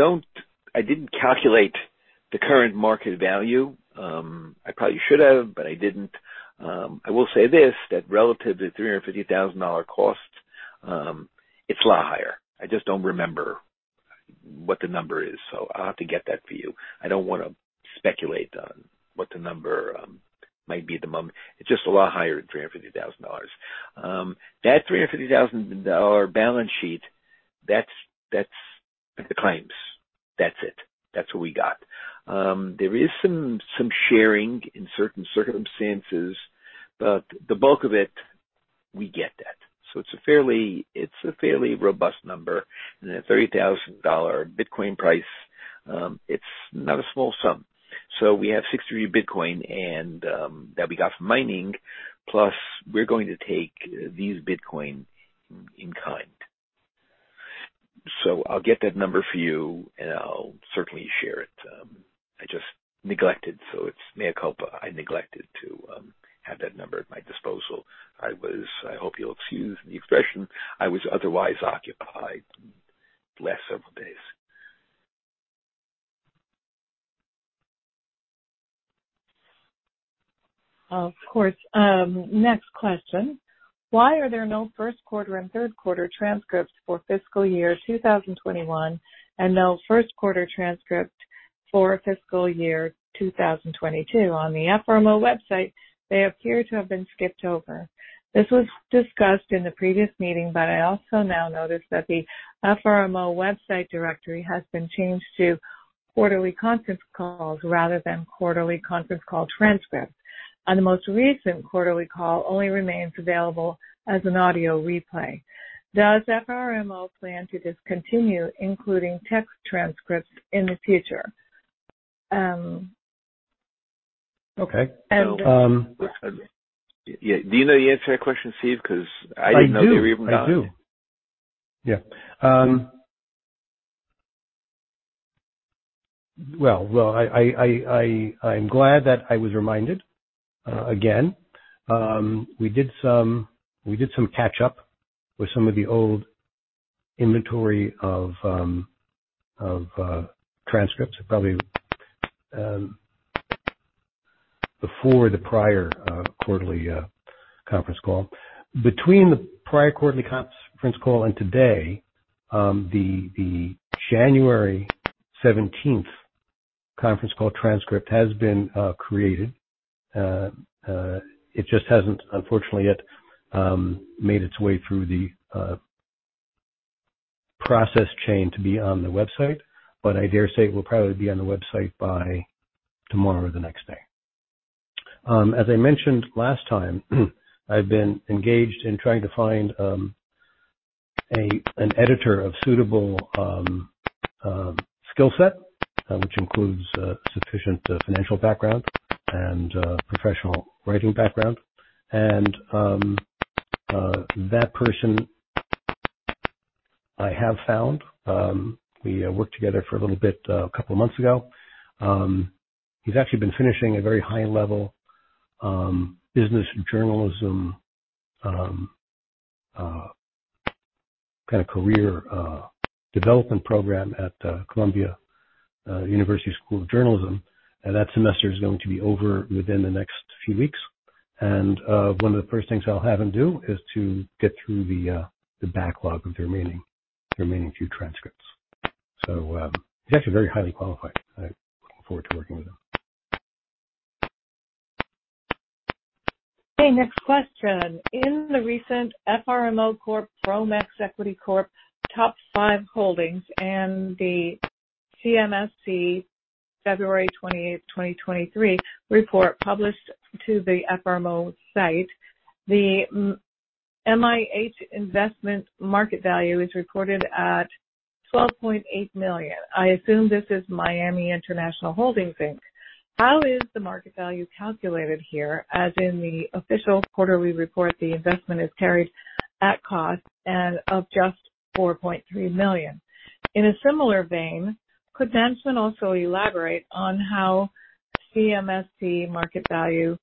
didn't calculate the current market value. I probably should have, but I didn't. I will say this, that relative to the $350,000 cost, it's a lot higher. I just don't remember what the number is, so I'll have to get that for you. I don't wanna speculate on what the number might be at the moment. It's just a lot higher than $350,000. That $350,000 balance sheet, that's the claims. That's it. That's what we got. There is some sharing in certain circumstances, but the bulk of it, we get that. So it's a fairly, it's a fairly robust number. At $30,000 Bitcoin price, it's not a small sum. We have 63 Bitcoin and that we got from mining, plus we're going to take these Bitcoin in kind. I'll get that number for you, and I'll certainly share it. I just neglected, so it's mea culpa. I neglected to have that number at my disposal. I hope you'll excuse the expression, I was otherwise occupied the last several days. Of course. Next question. Why are there no first quarter and third quarter transcripts for fiscal year 2021 and no first quarter transcript for fiscal year 2022? On the FRMO website, they appear to have been skipped over. This was discussed in the previous meeting, but I also now notice that the FRMO website directory has been changed to quarterly conference calls rather than quarterly conference call transcripts. The most recent quarterly call only remains available as an audio replay. Does FRMO plan to discontinue including text transcripts in the future? Okay. And- Yeah. Do you know the answer to that question, Steven? I didn't know they were even done. I do. I do. Yeah. Well, I'm glad that I was reminded again. We did some catch up with some of the old inventory of transcripts, probably before the prior quarterly conference call. Between the prior quarterly conference call and today, the January 17th conference call transcript has been created. It just hasn't unfortunately yet made its way through the process chain to be on the website, but I dare say it will probably be on the website by tomorrow or the next day. As I mentioned last time, I've been engaged in trying to find an editor of suitable- Skill set, which includes sufficient financial background and professional writing background. That person I have found, we worked together for a little bit, a couple of months ago. He's actually been finishing a very high-level business journalism kind of career development program at Columbia University School of Journalism. That semester is going to be over within the next few weeks. One of the first things I'll have him do is to get through the backlog of the remaining few transcripts. He's actually very highly qualified. I look forward to working with him. Next question. In the recent FRMO Corp./Fromex Equity Corp top five holdings and the CMSC February 2023 report published to the FRMO site, the MIH investment market value is reported at $12.8 million. I assume this is Miami International Holdings, Inc. How is the market value calculated here, as in the official quarterly report, the investment is carried at cost and of just $4.3 million. In a similar vein, could management also elaborate on how CMSC market value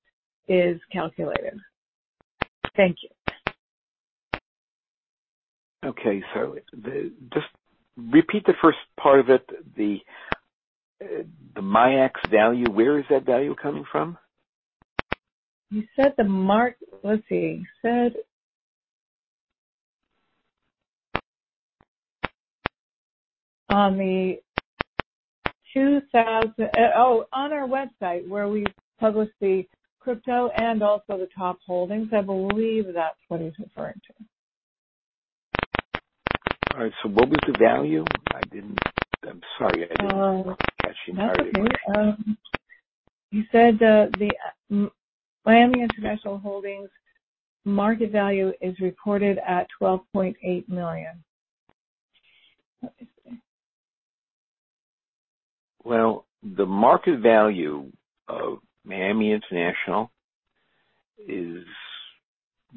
is calculated? Thank you. Okay. Just repeat the first part of it. The MIAX value. Where is that value coming from? You said. Let's see. You said on our website where we publish the crypto and also the top holdings. I believe that's what he's referring to. All right, what was the value? I didn't. I'm sorry. I didn't catch the entirety of the question. That's okay. you said, Miami International Holdings market value is reported at $12.8 million. Let me see. Well, the market value of Miami International is.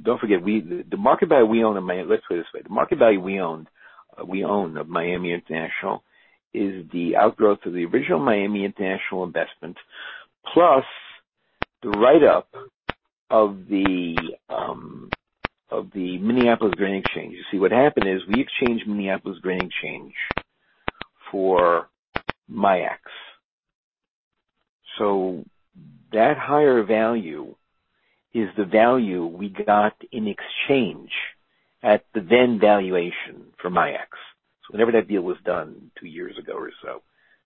Don't forget, the market value we own in Miami. Let's put it this way. The market value we own of Miami International is the outgrowth of the original Miami International investment, plus the write up of the Minneapolis Grain Exchange. You see, what happened is we exchanged Minneapolis Grain Exchange for MIAX. That higher value is the value we got in exchange at the then valuation for MIAX. Whenever that deal was done two years ago or so,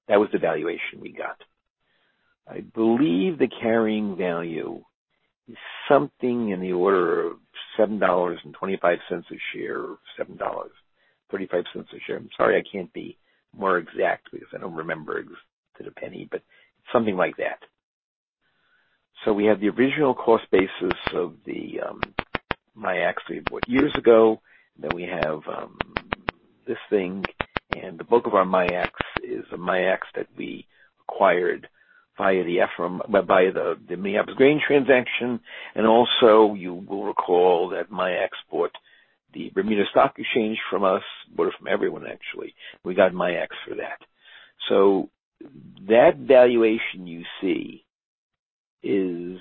that was the valuation we got. I believe the carrying value is something in the order of $7.25 a share, or $7.35 a share. I'm sorry I can't be more exact because I don't remember it to the penny, but something like that. We have the original cost basis of the MIAX we bought years ago. We have this thing, and the bulk of our MIAX is a MIAX that we acquired via the Minneapolis Grain transaction. Also you will recall that MIAX bought the Bermuda Stock Exchange from us. From everyone, actually. We got MIAX for that. That valuation you see is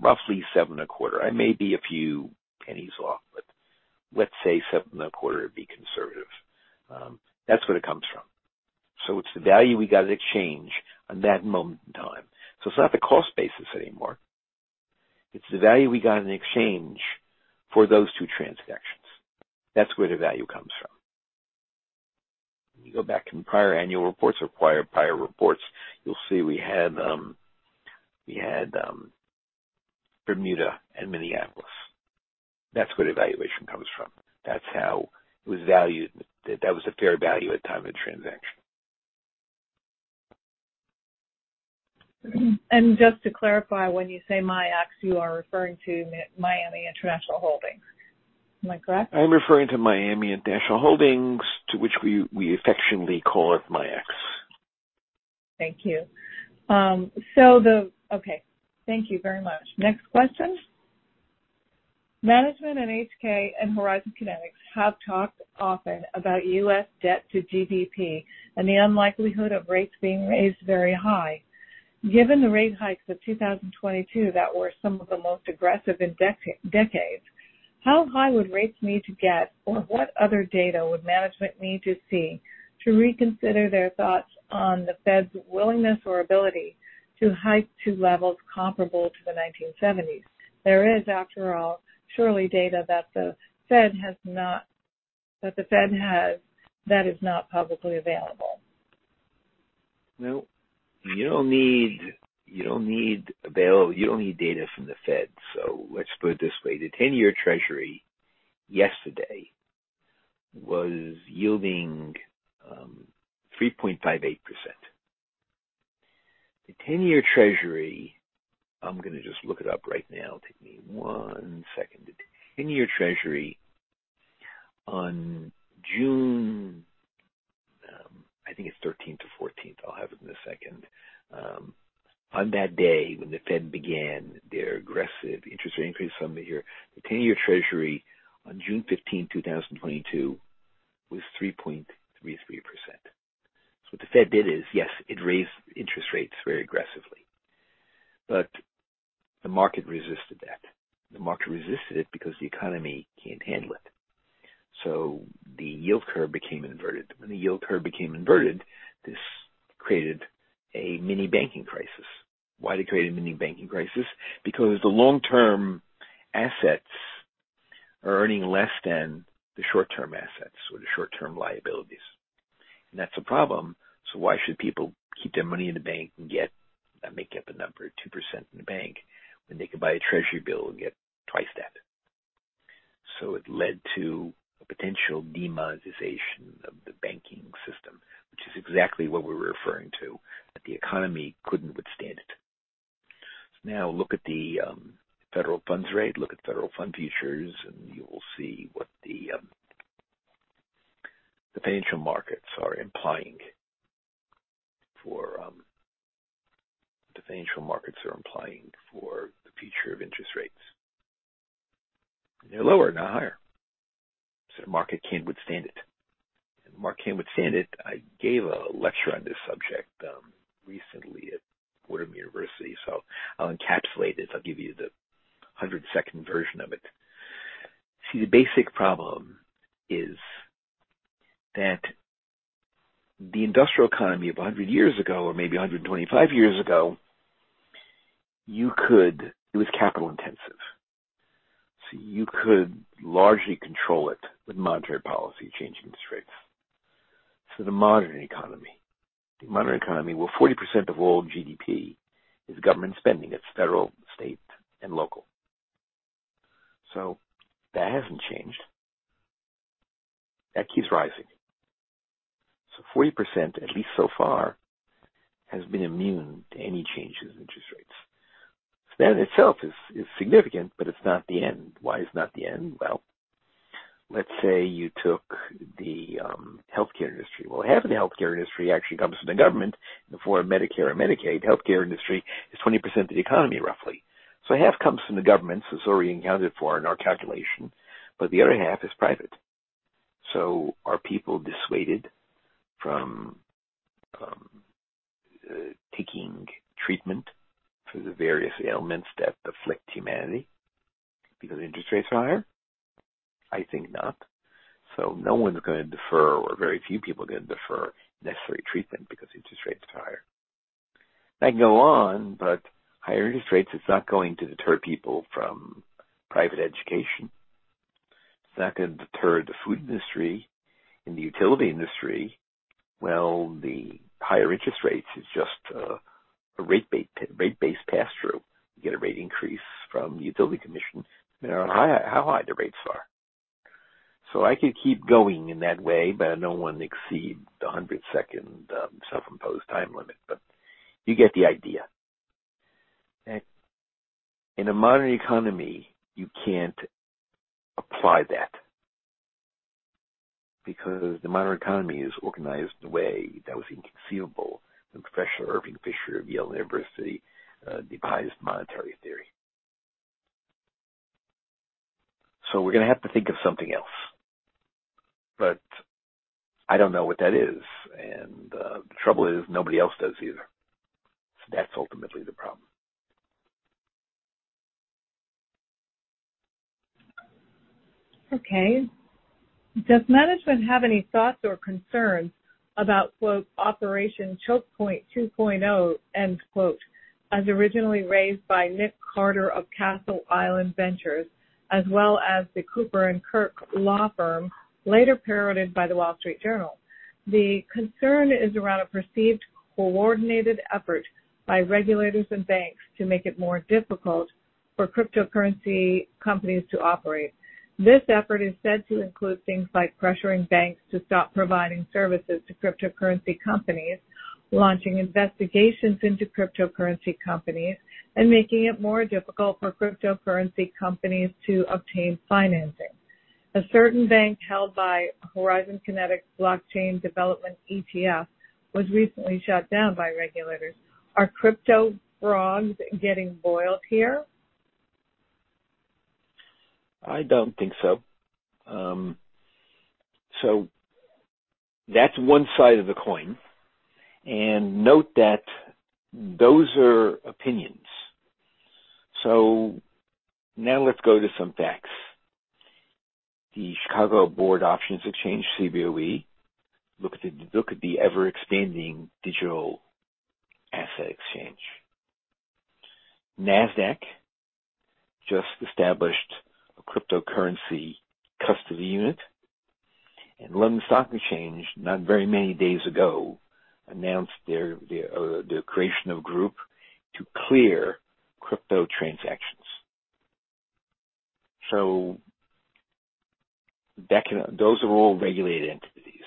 roughly seven and a quarter. I may be a few pennies off, but let's say seven and a quarter to be conservative. That's where it comes from. It's the value we got in exchange on that moment in time. It's not the cost basis anymore. It's the value we got in exchange for those two transactions. That's where the value comes from. When you go back in prior annual reports or prior reports, you'll see we had Bermuda and Minneapolis. That's where the valuation comes from. That's how it was valued. That was the fair value at time of transaction. Just to clarify, when you say MIAX, you are referring to Miami International Holdings. Am I correct? I'm referring to Miami International Holdings, to which we affectionately call it MIAX. Thank you. Okay. Thank you very much. Next question. Management and HK and Horizon Kinetics have talked often about U.S. debt to GDP and the unlikelihood of rates being raised very high. Given the rate hikes of 2022 that were some of the most aggressive in decades, how high would rates need to get or what other data would management need to see to reconsider their thoughts on the Fed's willingness or ability to hike to levels comparable to the 1970s? There is, after all, surely data that the Fed has that is not publicly available. No, you don't need data from the Fed. Let's put it this way. The 10-year treasury yesterday was yielding 3.58%. The 10-year treasury, I'm gonna just look it up right now. Take me one second. The 10-year treasury on June, I think it's 13th to 14th. I'll have it in a second. On that day when the Fed began their aggressive interest rate increase from the year, the 10-year treasury on June 15th, 2022 was 3.33%. What the Fed did is, yes, it raised interest rates very aggressively, but the market resisted that. The market resisted it because the economy can't handle it. The yield curve became inverted. When the yield curve became inverted, this created a mini banking crisis. Why'd it create a mini banking crisis? The long-term assets are earning less than the short-term assets or the short-term liabilities. That's a problem. Why should people keep their money in the bank and get, I'm making up a number, 2% in the bank when they can buy a treasury bill and get twice that? It led to a potential demonetization of the banking system, which is exactly what we were referring to, that the economy couldn't withstand it. Now look at the federal funds rate. Look at federal fund futures, you will see what the financial markets are implying for the future of interest rates. They're lower, not higher. The market can't withstand it. The market can't withstand it. I gave a lecture on this subject recently at Fordham University, I'll encapsulate it. I'll give you the 100-second version of it. The basic problem is that the industrial economy of 100 years ago, or maybe 125 years ago, it was capital intensive. You could largely control it with monetary policy changing its rates. The modern economy, where 40% of all GDP is government spending, that's federal, state, and local. That hasn't changed. That keeps rising. 40%, at least so far, has been immune to any changes in interest rates. That in itself is significant, but it's not the end. Why is it not the end? Let's say you took the healthcare industry. Half of the healthcare industry actually comes from the government for Medicare and Medicaid. Healthcare industry is 20% of the economy, roughly. Half comes from the government, so it's already accounted for in our calculation, but the other half is private. Are people dissuaded from taking treatment for the various ailments that afflict humanity because interest rates are higher? I think not. No one's gonna defer or very few people are gonna defer necessary treatment because interest rates are higher. I can go on, but higher interest rates is not going to deter people from private education. It's not gonna deter the food industry and the utility industry. Well, the higher interest rates is just a rate-based pass-through. You get a rate increase from the utility commission, no matter how high the rates are. I could keep going in that way, but I don't want to exceed the 100-second self-imposed time limit, but you get the idea. In a modern economy, you can't apply that because the modern economy is organized in a way that was inconceivable when Professor Irving Fisher of Yale University devised monetary theory. We're gonna have to think of something else, but I don't know what that is. The trouble is, nobody else does either. That's ultimately the problem. Okay. Does management have any thoughts or concerns about quote, "Operation Choke Point 2.0" end quote, as originally raised by Nic Carter of Castle Island Ventures, as well as the Cooper & Kirk law firm, later parroted by The Wall Street Journal? The concern is around a perceived coordinated effort by regulators and banks to make it more difficult for cryptocurrency companies to operate. This effort is said to include things like pressuring banks to stop providing services to cryptocurrency companies, launching investigations into cryptocurrency companies, and making it more difficult for cryptocurrency companies to obtain financing. A certain bank held by Horizon Kinetics Blockchain Development ETF was recently shut down by regulators. Are crypto frauds getting boiled here? I don't think so. That's one side of the coin. Note that those are opinions. Now let's go to some facts. The Chicago Board Options Exchange, Cboe, look at the ever-expanding digital asset exchange. Nasdaq just established a cryptocurrency custody unit. London Stock Exchange, not very many days ago, announced their creation of group to clear crypto transactions. Those are all regulated entities.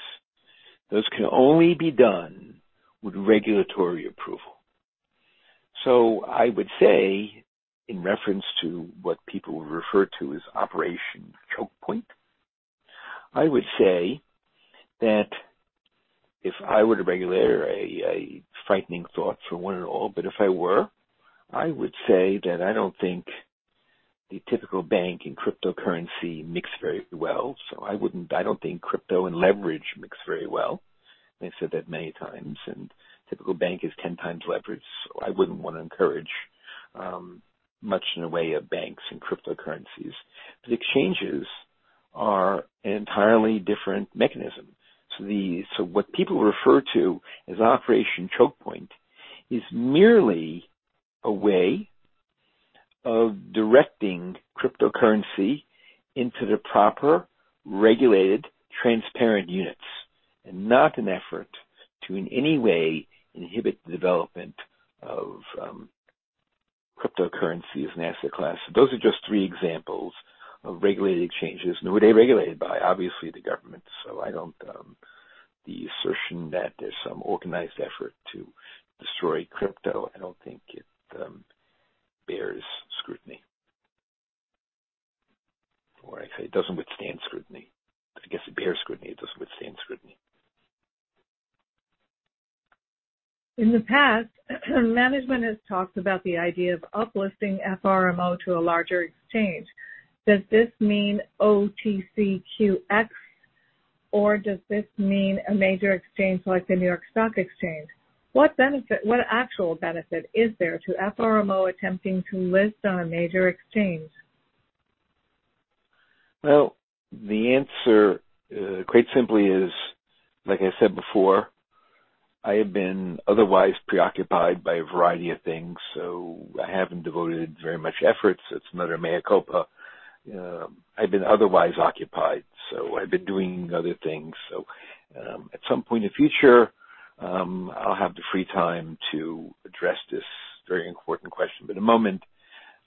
Those can only be done with regulatory approval. I would say in reference to what people refer to as Operation Choke Point, I would say that if I were the regulator, a frightening thought for one and all, but if I were, I would say that I don't think the typical bank and cryptocurrency mix very well. I don't think crypto and leverage mix very well. I said that many times, typical bank is 10 times leverage. I wouldn't want to encourage much in the way of banks and cryptocurrencies. Exchanges are an entirely different mechanism. What people refer to as Operation Choke Point is merely a way of directing cryptocurrency into the proper regulated, transparent units, and not an effort to in any way inhibit the development of cryptocurrency as an asset class. Those are just three examples of regulated exchanges. Who are they regulated by? Obviously the government. I don't, the assertion that there's some organized effort to destroy crypto, I don't think it bears scrutiny. I say it doesn't withstand scrutiny. I guess it bears scrutiny. It doesn't withstand scrutiny. In the past, management has talked about the idea of uplisting FRMO to a larger exchange. Does this mean OTCQX or does this mean a major exchange like the New York Stock Exchange? What benefit, what actual benefit is there to FRMO attempting to list on a major exchange? The answer, quite simply is, like I said before, I have been otherwise preoccupied by a variety of things, so I haven't devoted very much efforts. It's another mea culpa. I've been otherwise occupied, so I've been doing other things. At some point in future, I'll have the free time to address this very important question. At the moment,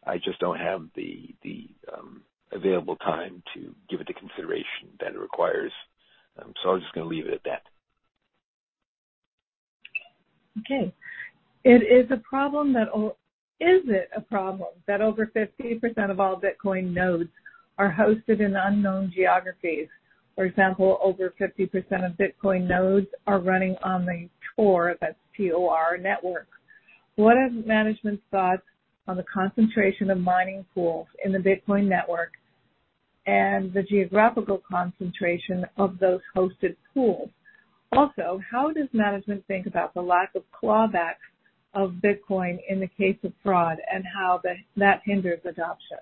I just don't have the available time to give it the consideration that it requires. I'm just gonna leave it at that. Okay. Is it a problem that over 50% of all Bitcoin nodes are hosted in unknown geographies? For example, over 50% of Bitcoin nodes are running on the Tor, that's T-O-R network. What are management's thoughts on the concentration of mining pools in the Bitcoin network and the geographical concentration of those hosted pools? How does management think about the lack of clawback of Bitcoin in the case of fraud and how that hinders adoption?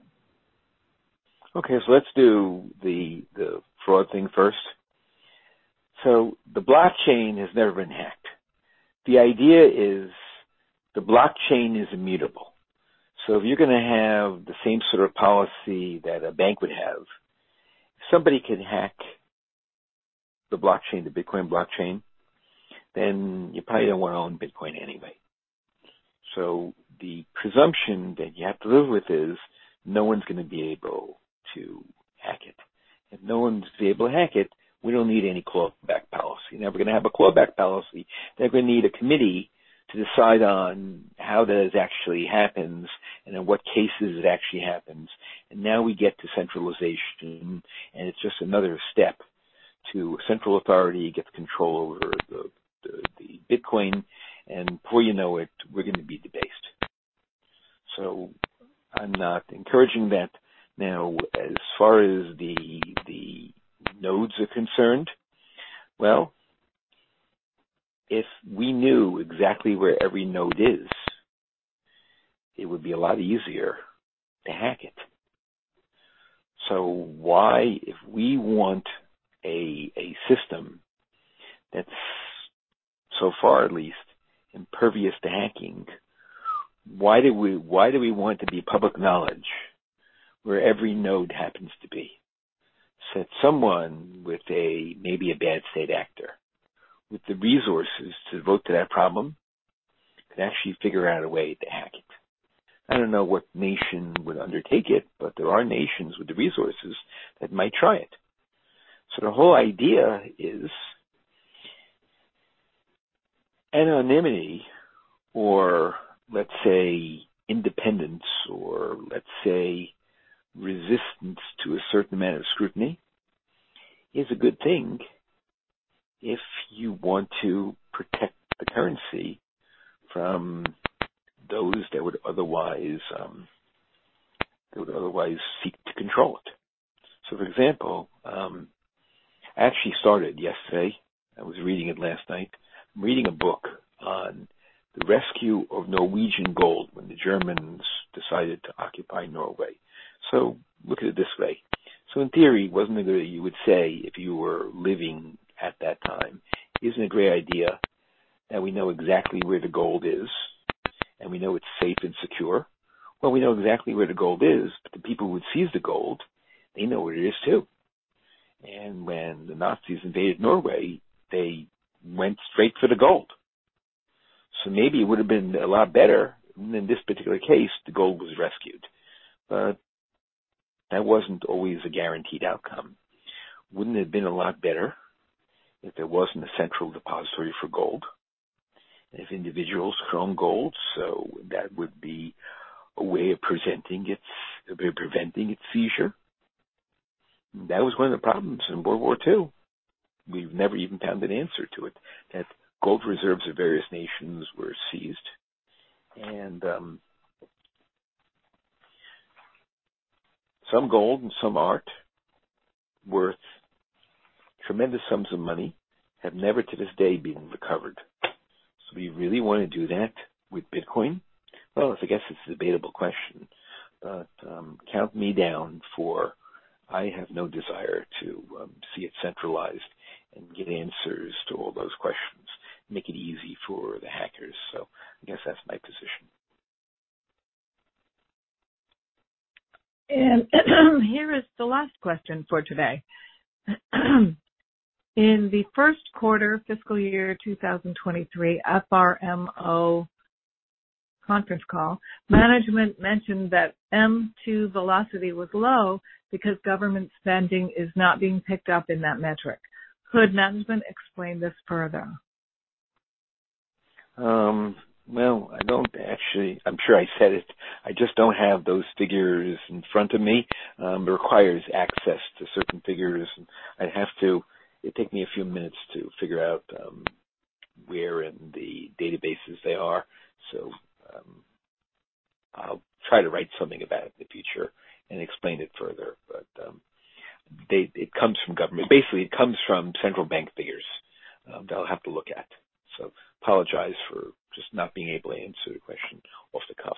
Okay, let's do the fraud thing first. The blockchain has never been hacked. The idea is the blockchain is immutable. If you're gonna have the same sort of policy that a bank would have, if somebody can hack the blockchain, the Bitcoin blockchain, then you probably don't wanna own Bitcoin anyway. The presumption that you have to live with is no one's gonna be able to hack it. If no one's gonna be able to hack it, we don't need any clawback policy. If we're gonna have a clawback policy, they're gonna need a committee to decide on how that actually happens and in what cases it actually happens. Now we get to centralization, and it's just another step to central authority gets control over the Bitcoin, and before you know it, we're gonna be debased. I'm not encouraging that. As far as the nodes are concerned, well, if we knew exactly where every node is, it would be a lot easier to hack it. Why, if we want a system that's so far at least impervious to hacking, why do we want it to be public knowledge where every node happens to be? If someone with maybe a bad state actor with the resources to devote to that problem could actually figure out a way to hack it. I don't know what nation would undertake it, there are nations with the resources that might try it. The whole idea is anonymity or let's say independence or let's say resistance to a certain amount of scrutiny is a good thing if you want to protect the currency from those that would otherwise, that would otherwise seek to control it. For example, I actually started yesterday. I was reading it last night. I'm reading a book on the rescue of Norwegian gold when the Germans decided to occupy Norway. Look at it this way. In theory, wasn't it you would say if you were living at that time, isn't a great idea that we know exactly where the gold is and we know it's safe and secure? Well, we know exactly where the gold is, but the people who would seize the gold, they know where it is too. When the Nazis invaded Norway, they went straight for the gold. Maybe it would have been a lot better. In this particular case, the gold was rescued, but that wasn't always a guaranteed outcome. Wouldn't it have been a lot better if there wasn't a central depository for gold and if individuals from gold, so that would be a way of preventing its seizure? That was one of the problems in World War II. We've never even found an answer to it, that gold reserves of various nations were seized, and some gold and some art worth tremendous sums of money have never to this day been recovered. Do you really wanna do that with Bitcoin? I guess it's a debatable question, but count me down, for I have no desire to see it centralized and get answers to all those questions. Make it easy for the hackers. I guess that's my position. Here is the last question for today. In the first quarter fiscal year, 2023 FRMO conference call, management mentioned that M2 velocity was low because government spending is not being picked up in that metric. Could management explain this further? Well, I don't actually. I'm sure I said it. I just don't have those figures in front of me. It requires access to certain figures, and it'd take me a few minutes to figure out where in the databases they are. I'll try to write something about it in the future and explain it further. It comes from government. Basically, it comes from central bank figures that I'll have to look at. Apologize for just not being able to answer the question off the cuff.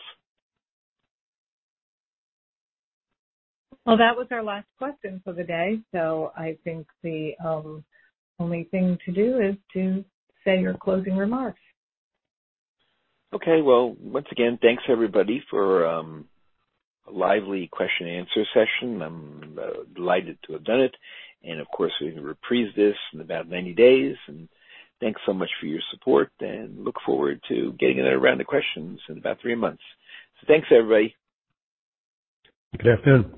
That was our last question for the day, so I think the only thing to do is to say your closing remarks. Okay. Well, once again, thanks everybody for, a lively question and answer session. I'm, delighted to have done it. Of course, we're gonna reprise this in about 90 days. Thanks so much for your support and look forward to getting another round of questions in about three months. Thanks, everybody. Good afternoon.